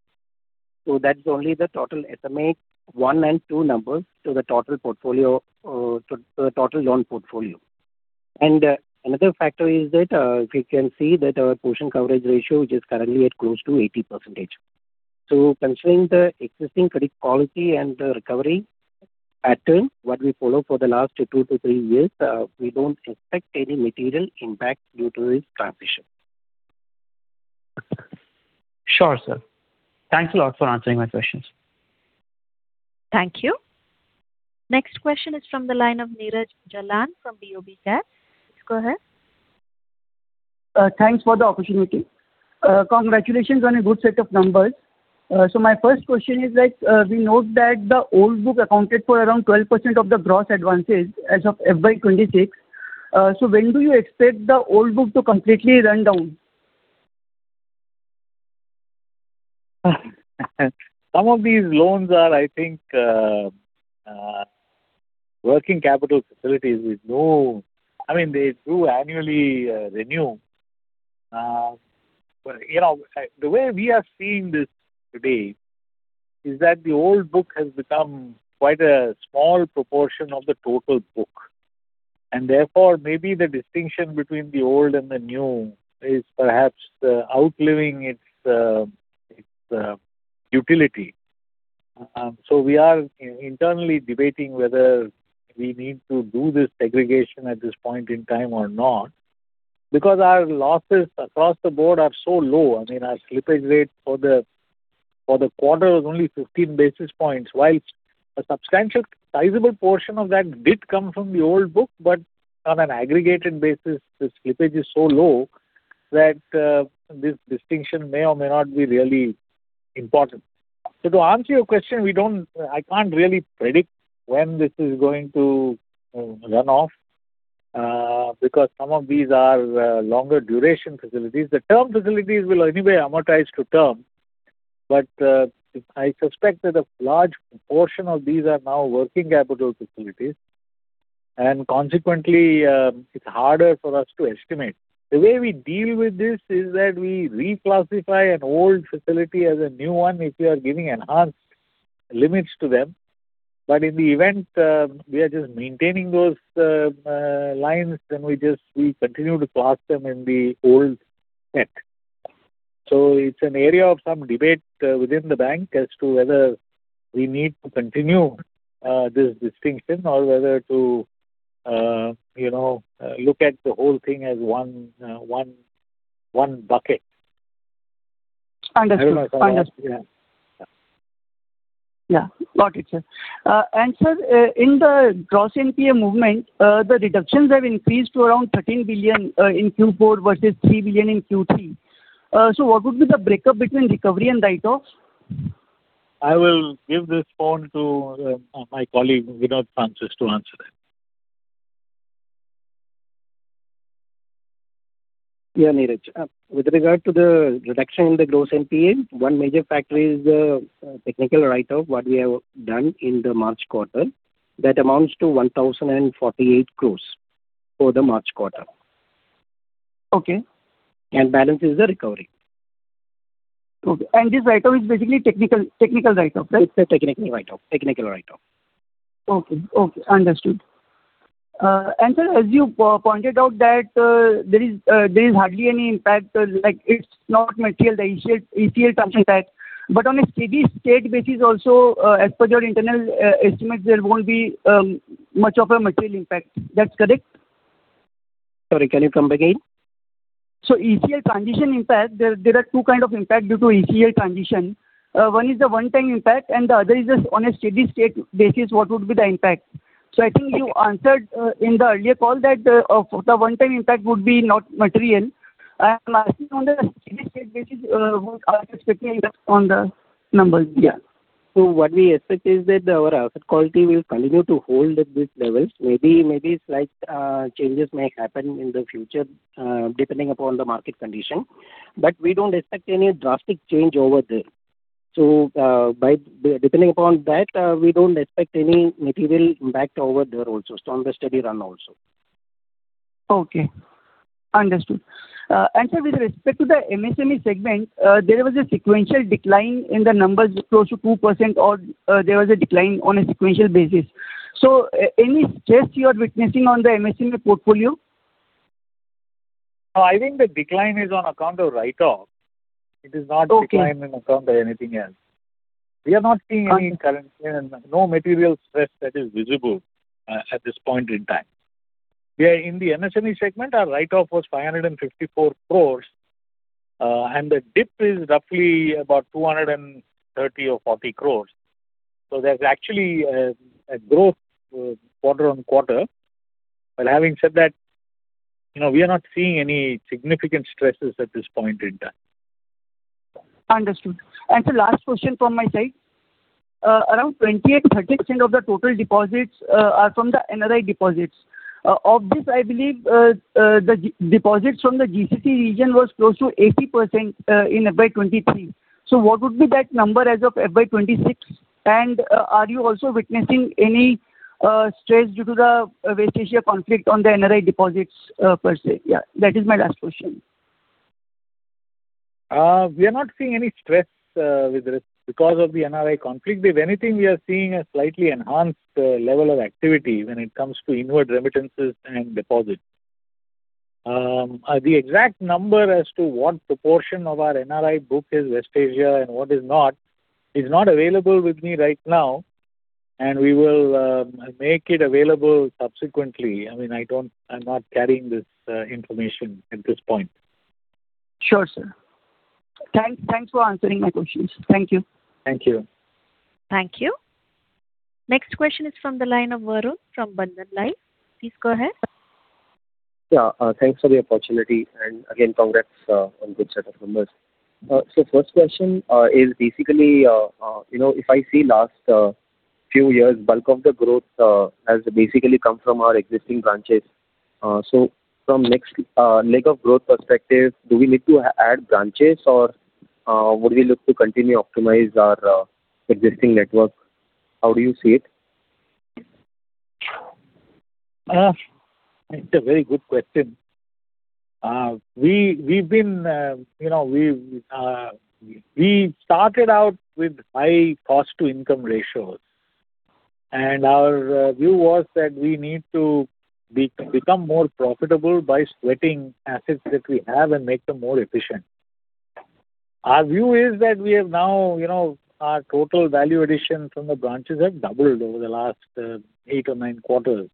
That's only the total SMA one and two numbers to the total portfolio, to the total loan portfolio. Another factor is that if you can see that our PCR, which is currently at close to 80%. Considering the existing credit quality and the recovery pattern, what we follow for the last two-three years, we don't expect any material impact due to this transition. Sure, sir. Thanks a lot for answering my questions. Thank you. Next question is from the line of Neeraj Jalan from BOB Capital Markets. Please go ahead. Thanks for the opportunity. Congratulations on a good set of numbers. My first question is, like, we note that the old book accounted for around 12% of the gross advances as of FY 2026. When do you expect the old book to completely run down? Some of these loans are, I think, I mean, working capital facilities, they do annually renew. You know, the way we are seeing this today is that the old book has become quite a small proportion of the total book. Therefore, maybe the distinction between the old and the new is perhaps outliving its utility. We are internally debating whether we need to do this segregation at this point in time or not. Our losses across the board are so low, I mean, our slippage rate for the quarter was only 15 basis points. While a substantial sizable portion of that did come from the old book, but on an aggregated basis, the slippage is so low that this distinction may or may not be really important. To answer your question, we don't I can't really predict when this is going to run off because some of these are longer duration facilities. The term facilities will anyway amortize to term, I suspect that a large portion of these are now working capital facilities, and consequently, it's harder for us to estimate. The way we deal with this is that we reclassify an old facility as a new one if we are giving enhanced limits to them. In the event, we are just maintaining those lines, then we continue to class them in the old set. It's an area of some debate within the bank as to whether we need to continue this distinction or whether to, you know, look at the whole thing as one bucket. Understood. I hope I answered. Yeah. Yeah. Got it, sir. Sir, in the gross NPA movement, the reductions have increased to around 13 billion in Q4 versus 3 billion in Q3. What would be the breakup between recovery and write-off? I will give this phone to my colleague Vinod Francis to answer that. Yeah, Neeraj. With regard to the reduction in the gross NPA, one major factor is the technical write-off what we have done in the March quarter. That amounts to 1,048 crores for the March quarter. Okay. Balance is the recovery. Okay. This write-off is basically technical write-off, right? It's a technical write-off. Technical write-off. Okay. Okay, understood. Sir, as you pointed out that there is hardly any impact, like it's not material, the ECL transition impact. On a steady-state basis also, as per your internal estimates, there won't be much of a material impact. That's correct? Sorry, can you come back again? ECL transition impact, there are two kind of impact due to ECL transition. One is the one-time impact, and the other is just on a steady-state basis, what would be the impact? I think you answered in the earlier call that for the one-time impact would be not material. I am asking on the steady-state basis, what are you expecting impact on the numbers? Yeah. What we expect is that our asset quality will continue to hold at these levels. Maybe slight changes may happen in the future, depending upon the market condition. We don't expect any drastic change over there. Depending upon that, we don't expect any material impact over there also, on the steady run also. Okay. Understood. sir, with respect to the MSME segment, there was a sequential decline in the numbers close to 2% or, there was a decline on a sequential basis. any stress you are witnessing on the MSME portfolio? No, I think the decline is on account of write-off. Okay. -decline on account of anything else. We are not seeing any current No material stress that is visible at this point in time. Yeah, in the MSME segment, our write-off was 554 crores. The dip is roughly about 230 crores or 40 crores. There's actually a growth quarter on quarter. Having said that, you know, we are not seeing any significant stresses at this point in time. Understood. Sir, last question from my side. Around 28%-30% of the total deposits are from the NRI deposits. Of this, I believe, the deposits from the GCC region was close to 80% in FY 2023. What would be that number as of FY 2026? Are you also witnessing any stress due to the West Asia conflict on the NRI deposits per se? Yeah, that is my last question. We are not seeing any stress because of the NRI conflict. If anything, we are seeing a slightly enhanced level of activity when it comes to inward remittances and deposits. The exact number as to what proportion of our NRI book is West Asia and what is not is not available with me right now, and we will make it available subsequently. I mean, I'm not carrying this information at this point. Sure, sir. Thanks for answering my questions. Thank you. Thank you. Thank you. Next question is from the line of Varun Bang from Bandhan Life. Please go ahead. Yeah. Thanks for the opportunity, again, congrats, on good set of numbers. First question, is basically, you know, if I see last, few years, bulk of the growth, has basically come from our existing branches. From next, leg of growth perspective, do we need to add branches or, would we look to continue optimize our, existing network? How do you see it? It's a very good question. We, we've been, you know, we've, we started out with high cost-to-income ratios. Our view was that we need to become more profitable by sweating assets that we have and make them more efficient. Our view is that we have now, you know, our total value addition from the branches have doubled over the last eight or nine quarters.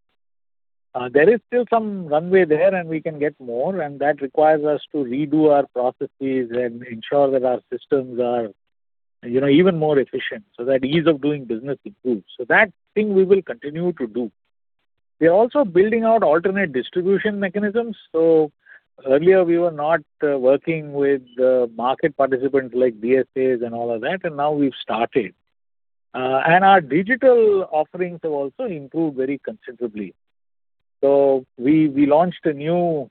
There is still some runway there, and we can get more, and that requires us to redo our processes and ensure that our systems are, you know, even more efficient, so that ease of doing business improves. That thing we will continue to do. We are also building out alternate distribution mechanisms. Earlier, we were not working with market participants like DSAs and all of that, and now we've started. Our digital offerings have also improved very considerably. We launched a new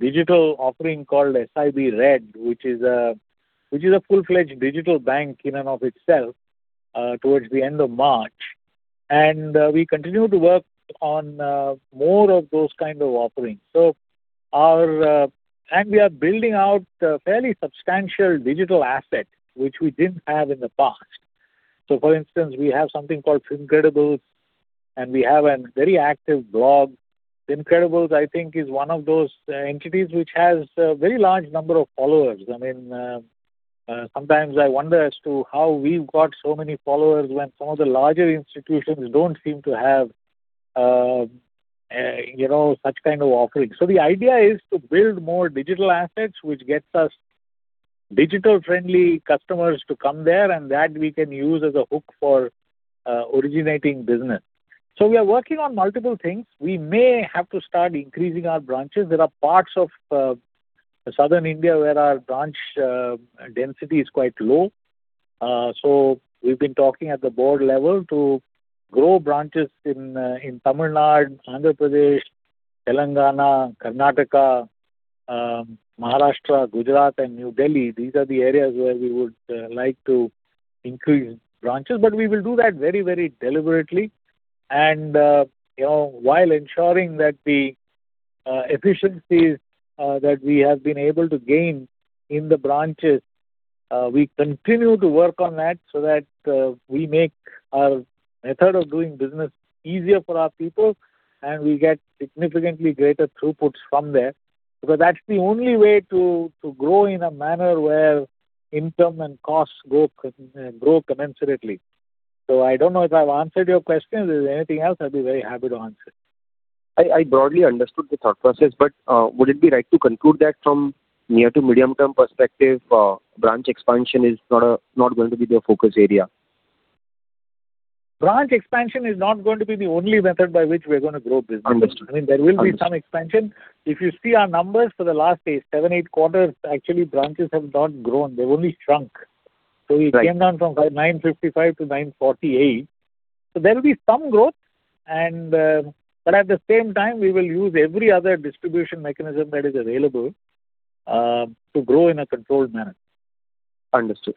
digital offering called SIB RED, which is a full-fledged digital bank in and of itself, towards the end of March. We continue to work on more of those kind of offerings. We are building out a fairly substantial digital asset which we didn't have in the past. For instance, we have something called Fincredibles, and we have a very active blog. Fincredibles, I think is one of those entities which has a very large number of followers. I mean, sometimes I wonder as to how we've got so many followers when some of the larger institutions don't seem to have, you know, such kind of offering. The idea is to build more digital assets which gets us digital-friendly customers to come there, and that we can use as a hook for originating business. We are working on multiple things. We may have to start increasing our branches. There are parts of Southern India where our branch density is quite low. We've been talking at the board level to grow branches in Tamil Nadu, Andhra Pradesh, Telangana, Karnataka, Maharashtra, Gujarat and New Delhi. These are the areas where we would like to increase branches. We will do that very, very deliberately and, you know, while ensuring that the efficiencies that we have been able to gain in the branches, we continue to work on that so that we make our method of doing business easier for our people and we get significantly greater throughputs from there, because that's the only way to grow in a manner where income and costs grow commensurately. I don't know if I've answered your question. If there's anything else, I'd be very happy to answer. I broadly understood the thought process, would it be right to conclude that from near to medium term perspective, branch expansion is not going to be the focus area? Branch expansion is not going to be the only method by which we are going to grow business. Understood. I mean, there will be some expansion. If you see our numbers for the last, say, seven, eight quarters, actually branches have not grown. They've only shrunk. Right. We came down from 955 to 948. There will be some growth and, but at the same time we will use every other distribution mechanism that is available, to grow in a controlled manner. Understood.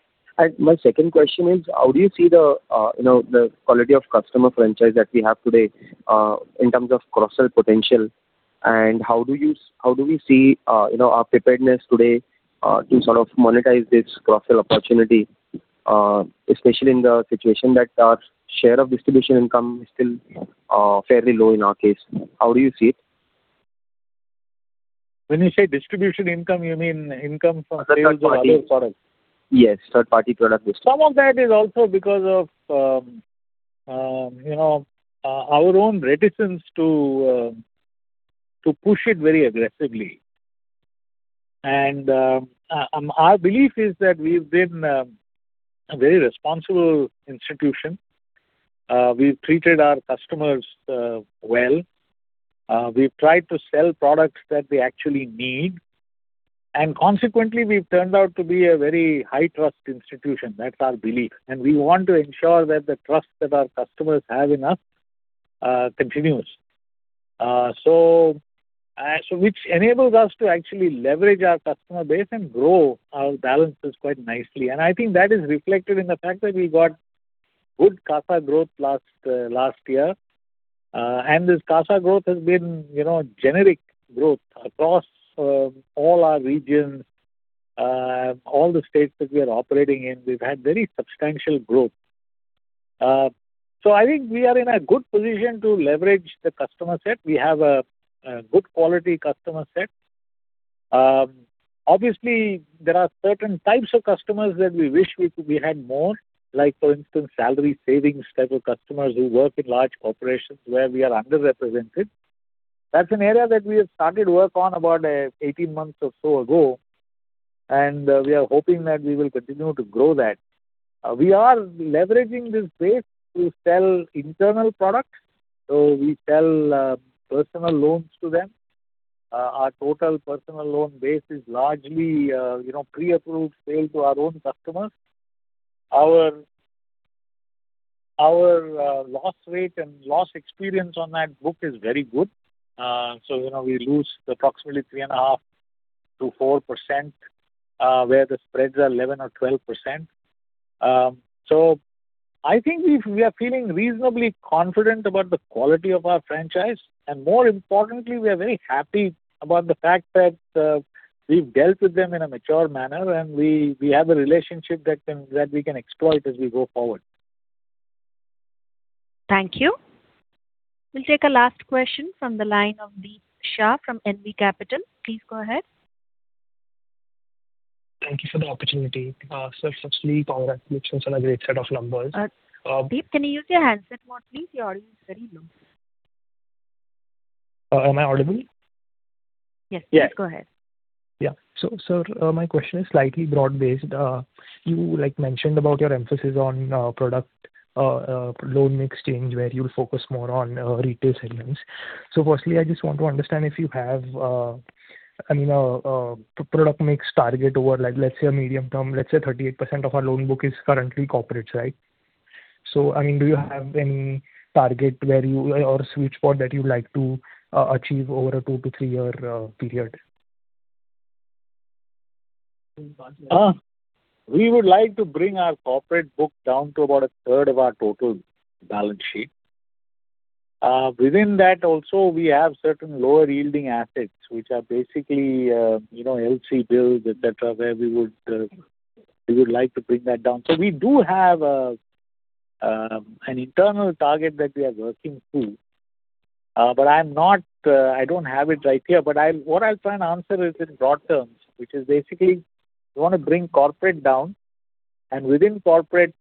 My second question is, how do you see the, you know, the quality of customer franchise that we have today, in terms of cross-sell potential? How do we see, you know, our preparedness today, to sort of monetize this cross-sell opportunity, especially in the situation that our share of distribution income is still, fairly low in our case? How do you see it? When you say distribution income, you mean income from sales of other products? Yes, third-party product distribution. Some of that is also because of, you know, our own reticence to push it very aggressively. Our belief is that we've been a very responsible institution. We've treated our customers well. We've tried to sell products that they actually need. Consequently, we've turned out to be a very high-trust institution. That's our belief. We want to ensure that the trust that our customers have in us continues. Which enables us to actually leverage our customer base and grow our balances quite nicely. I think that is reflected in the fact that we got good CASA growth last year. This CASA growth has been, you know, generic growth across all our regions. All the states that we are operating in, we've had very substantial growth. I think we are in a good position to leverage the customer set. We have a good quality customer set. Obviously there are certain types of customers that we wish we had more, like for instance, salary savings type of customers who work in large corporations where we are underrepresented. That's an area that we have started work on about 18 months or so ago, we are hoping that we will continue to grow that. We are leveraging this base to sell internal product. We sell personal loans to them. Our total personal loan base is largely, you know, pre-approved sale to our own customers. Our loss rate and loss experience on that book is very good. You know, we lose approximately 3.5%-4%, where the spreads are 11% or 12%. I think we are feeling reasonably confident about the quality of our franchise, and more importantly, we are very happy about the fact that we've dealt with them in a mature manner and we have a relationship that we can exploit as we go forward. Thank you. We'll take a last question from the line of Deep Shah from NV Capital. Please go ahead. Thank you for the opportunity. sir, firstly, congratulations on a great set of numbers. Deep, can you use your handset mode, please? Your audio is very low. Am I audible? Yes. Yeah. Please go ahead. Yeah. Sir, my question is slightly broad-based. You like mentioned about your emphasis on product loan mix change where you'll focus more on retail segments. Firstly, I just want to understand if you have, I mean, a product mix target over like, let's say a medium term, let's say 38% of our loan book is currently corporates, right? I mean, do you have any target where you or switch spot that you'd like to achieve over a two to three year period? We would like to bring our corporate book down to about a third of our total balance sheet. Within that also we have certain lower yielding assets which are basically, you know, LC bills, et cetera, where we would like to bring that down. We do have an internal target that we are working to. I'm not, I don't have it right here. What I'll try and answer is in broad terms, which is basically we wanna bring corporate down. Within corporate,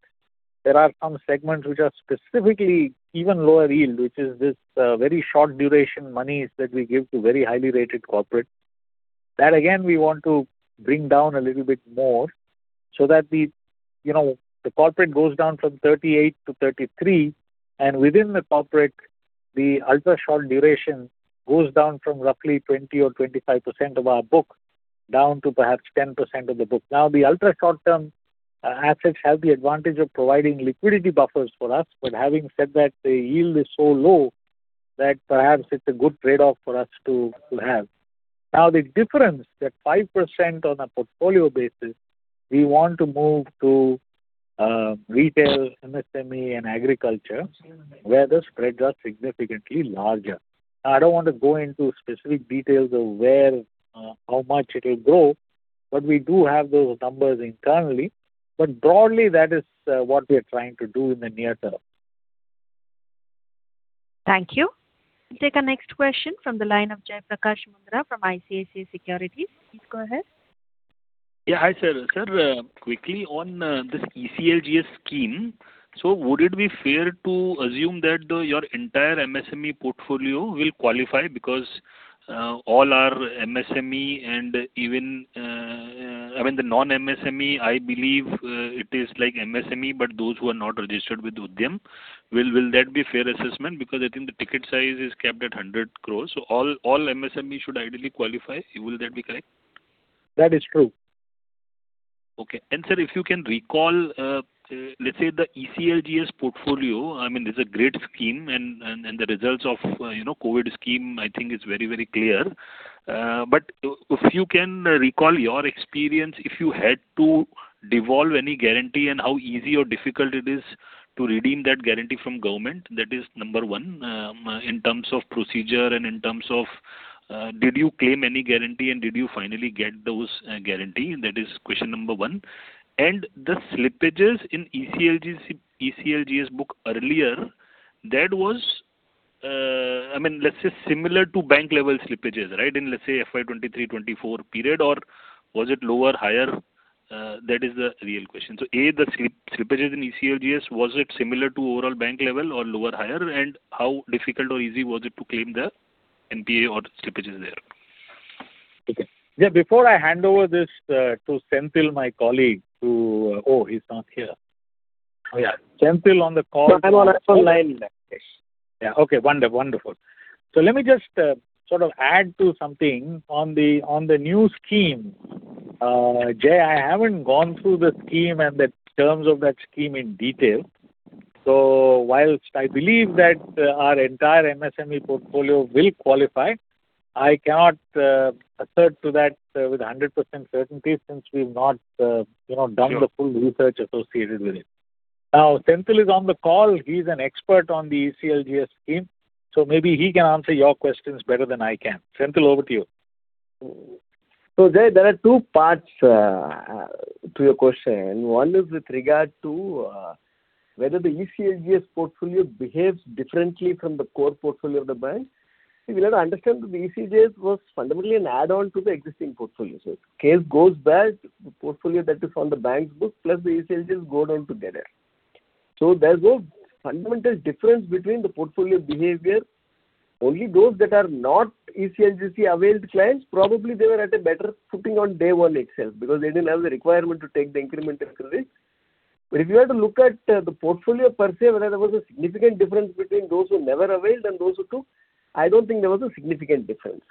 there are some segments which are specifically even lower yield, which is this very short duration monies that we give to very highly rated corporate. That again, we want to bring down a little bit more so that the, you know, the corporate goes down from 38% to 33%, and within the corporate, the ultra short duration goes down from roughly 20% or 25% of our book down to perhaps 10% of the book. The ultra short-term assets have the advantage of providing liquidity buffers for us. Having said that, the yield is so low that perhaps it's a good trade-off for us to have. The difference, that 5% on a portfolio basis, we want to move to retail, MSME, and agriculture where the spreads are significantly larger. I don't want to go into specific details of where, how much it'll grow, but we do have those numbers internally. Broadly, that is what we are trying to do in the near term. Thank you. We'll take our next question from the line of Jai Prakash Mundhra from ICICI Securities. Please go ahead. Yeah. Hi, sir. Sir, quickly on this ECLGS scheme, would it be fair to assume that your entire MSME portfolio will qualify because all our MSME and even I mean, the non-MSME, I believe, it is like MSME, but those who are not registered with Udyam Assist Platform. Will that be fair assessment? I think the ticket size is capped at 100 crores. All MSME should ideally qualify. Will that be correct? That is true. Okay. Sir, if you can recall, let's say the ECLGS portfolio, I mean, this is a great scheme and the results of, you know, COVID scheme I think is very, very clear. If you can recall your experience, if you had to devolve any guarantee and how easy or difficult it is to redeem that guarantee from government, that is number one. In terms of procedure and in terms of, did you claim any guarantee and did you finally get those guarantee? That is question number one. The slippages in ECLGS book earlier, that was, I mean, let's say similar to bank-level slippages, right? In let's say FY 2023, 2024 period, or was it lower, higher? That is the real question. A, the slippages in ECLGS, was it similar to overall bank level or lower, higher? How difficult or easy was it to claim the NPA or slippages there? Okay. Yeah, before I hand over this to Senthil, my colleague, who Oh, he's not here. Oh, yeah. Senthil on the call- Sir, I'm on the phone line. Yeah. Okay. Wonderful. Wonderful. Let me just sort of add to something on the, on the new scheme. Jai, I haven't gone through the scheme and the terms of that scheme in detail. Whilst I believe that our entire MSME portfolio will qualify, I cannot assert to that with a 100% certainty since we've not, you know. Sure done the full research associated with it. Now, Senthil is on the call. He's an expert on the ECLGS scheme, so maybe he can answer your questions better than I can. Senthil, over to you. Jai, there are two parts to your question. One is with regard to whether the ECLGS portfolio behaves differently from the core portfolio of the bank. See, we'll have to understand that the ECLGS was fundamentally an add-on to the existing portfolio. If case goes bad, the portfolio that is on the bank's book plus the ECLGS go down together. There's no fundamental difference between the portfolio behavior. Only those that are not ECLGS-availed clients, probably they were at a better footing on day 1 itself because they didn't have the requirement to take the incremental risk. If you had to look at the portfolio per se, whether there was a significant difference between those who never availed and those who took, I don't think there was a significant difference.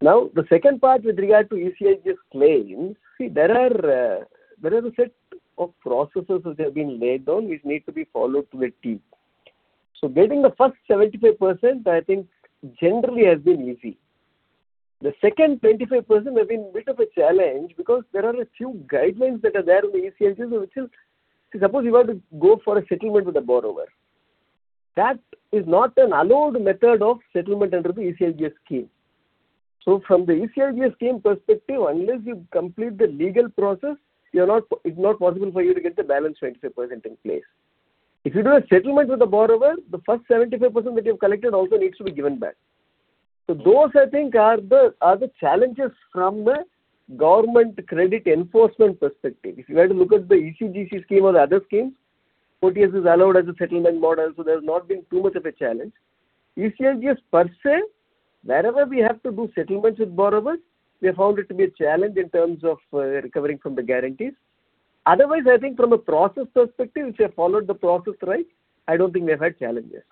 The second part with regard to ECLGS claims, see there are, there is a set of processes which have been laid down which need to be followed to a T. Getting the first 75% I think generally has been easy. The second 25% has been bit of a challenge because there are a few guidelines that are there on the ECLGS which is, suppose you have to go for a settlement with the borrower, that is not an allowed method of settlement under the ECLGS scheme. From the ECLGS scheme perspective, unless you complete the legal process, you're not it's not possible for you to get the balance 25% in place. If you do a settlement with the borrower, the first 75% that you've collected also needs to be given back. Those I think are the challenges from a government credit enforcement perspective. If you had to look at the CGTMSE scheme or the other schemes, OTS is allowed as a settlement model, there's not been too much of a challenge. ECLGS per se, wherever we have to do settlements with borrowers, we have found it to be a challenge in terms of recovering from the guarantees. Otherwise, I think from a process perspective, if you have followed the process right, I don't think we have had challenges.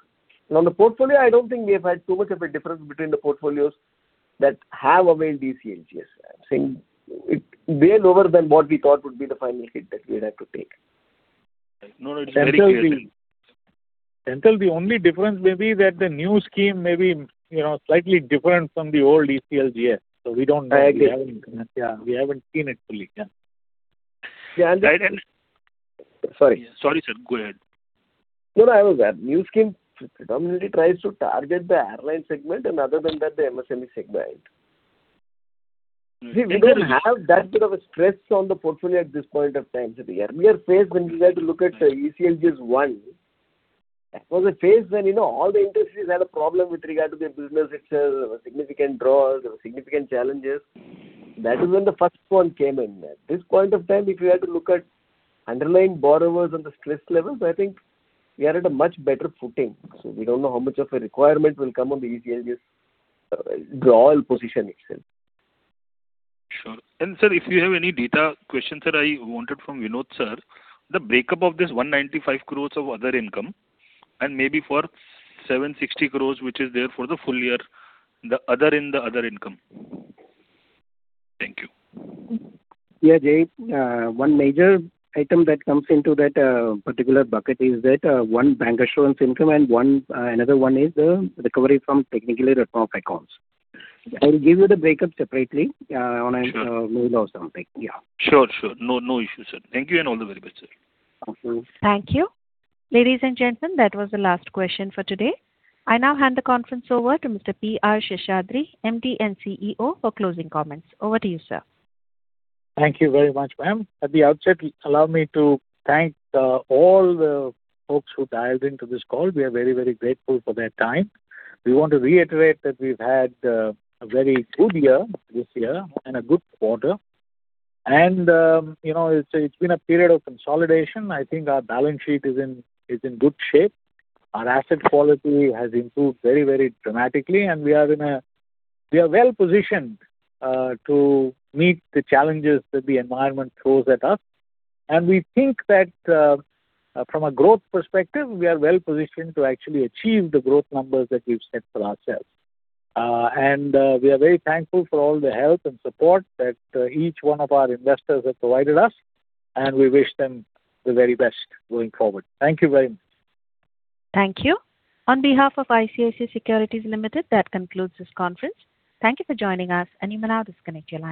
Now, on the portfolio, I don't think we have had too much of a difference between the portfolios that have availed ECLGS. I'm saying it weighed lower than what we thought would be the final hit that we'd have to take. No, no, it's very clear, sir. Senthil, the only difference may be that the new scheme may be, you know, slightly different from the old ECLGS. We don't know. I agree. We haven't, yeah, we haven't seen it fully. Yeah. Yeah. Right. Sorry. Sorry, sir. Go ahead. No, no. I was, new scheme predominantly tries to target the airline segment and other than that, the MSME segment. We don't have that bit of a stress on the portfolio at this point of time, sir. Earlier phase when we had to look at, ECLGS one That was a phase when, you know, all the industries had a problem with regard to their business itself. There were significant draws, there were significant challenges. That is when the first one came in. At this point of time, if you had to look at underlying borrowers and the stress levels, I think we are at a much better footing. We don't know how much of a requirement will come on the ECLGS drawl position itself. Sure. Sir, if you have any data questions that I wanted from Vinod, sir, the breakup of this 195 crores of other income and maybe for 760 crores which is there for the full year. Thank you. Yeah, Jai, one major item that comes into that particular bucket is that one bancassurance income and one another one is the recovery from technically written-off accounts. I'll give you the breakup separately on an- Sure. email or something. Yeah. Sure, sure. No, no issue, sir. Thank you and all the very best, sir. Thank you. Thank you. Ladies and gentlemen, that was the last question for today. I now hand the conference over to Mr. P.R. Seshadri, MD and CEO, for closing comments. Over to you, sir. Thank you very much, ma'am. At the outset, allow me to thank all the folks who dialed into this call. We are very grateful for their time. We want to reiterate that we've had a very good year this year and a good quarter and, you know, it's been a period of consolidation. I think our balance sheet is in good shape. Our asset quality has improved very dramatically and we are well-positioned to meet the challenges that the environment throws at us. We think that, from a growth perspective, we are well-positioned to actually achieve the growth numbers that we've set for ourselves. We are very thankful for all the help and support that each one of our investors have provided us, and we wish them the very best going forward. Thank you very much. Thank you. On behalf of ICICI Securities Limited, that concludes this conference. Thank you for joining us, and you may now disconnect your line.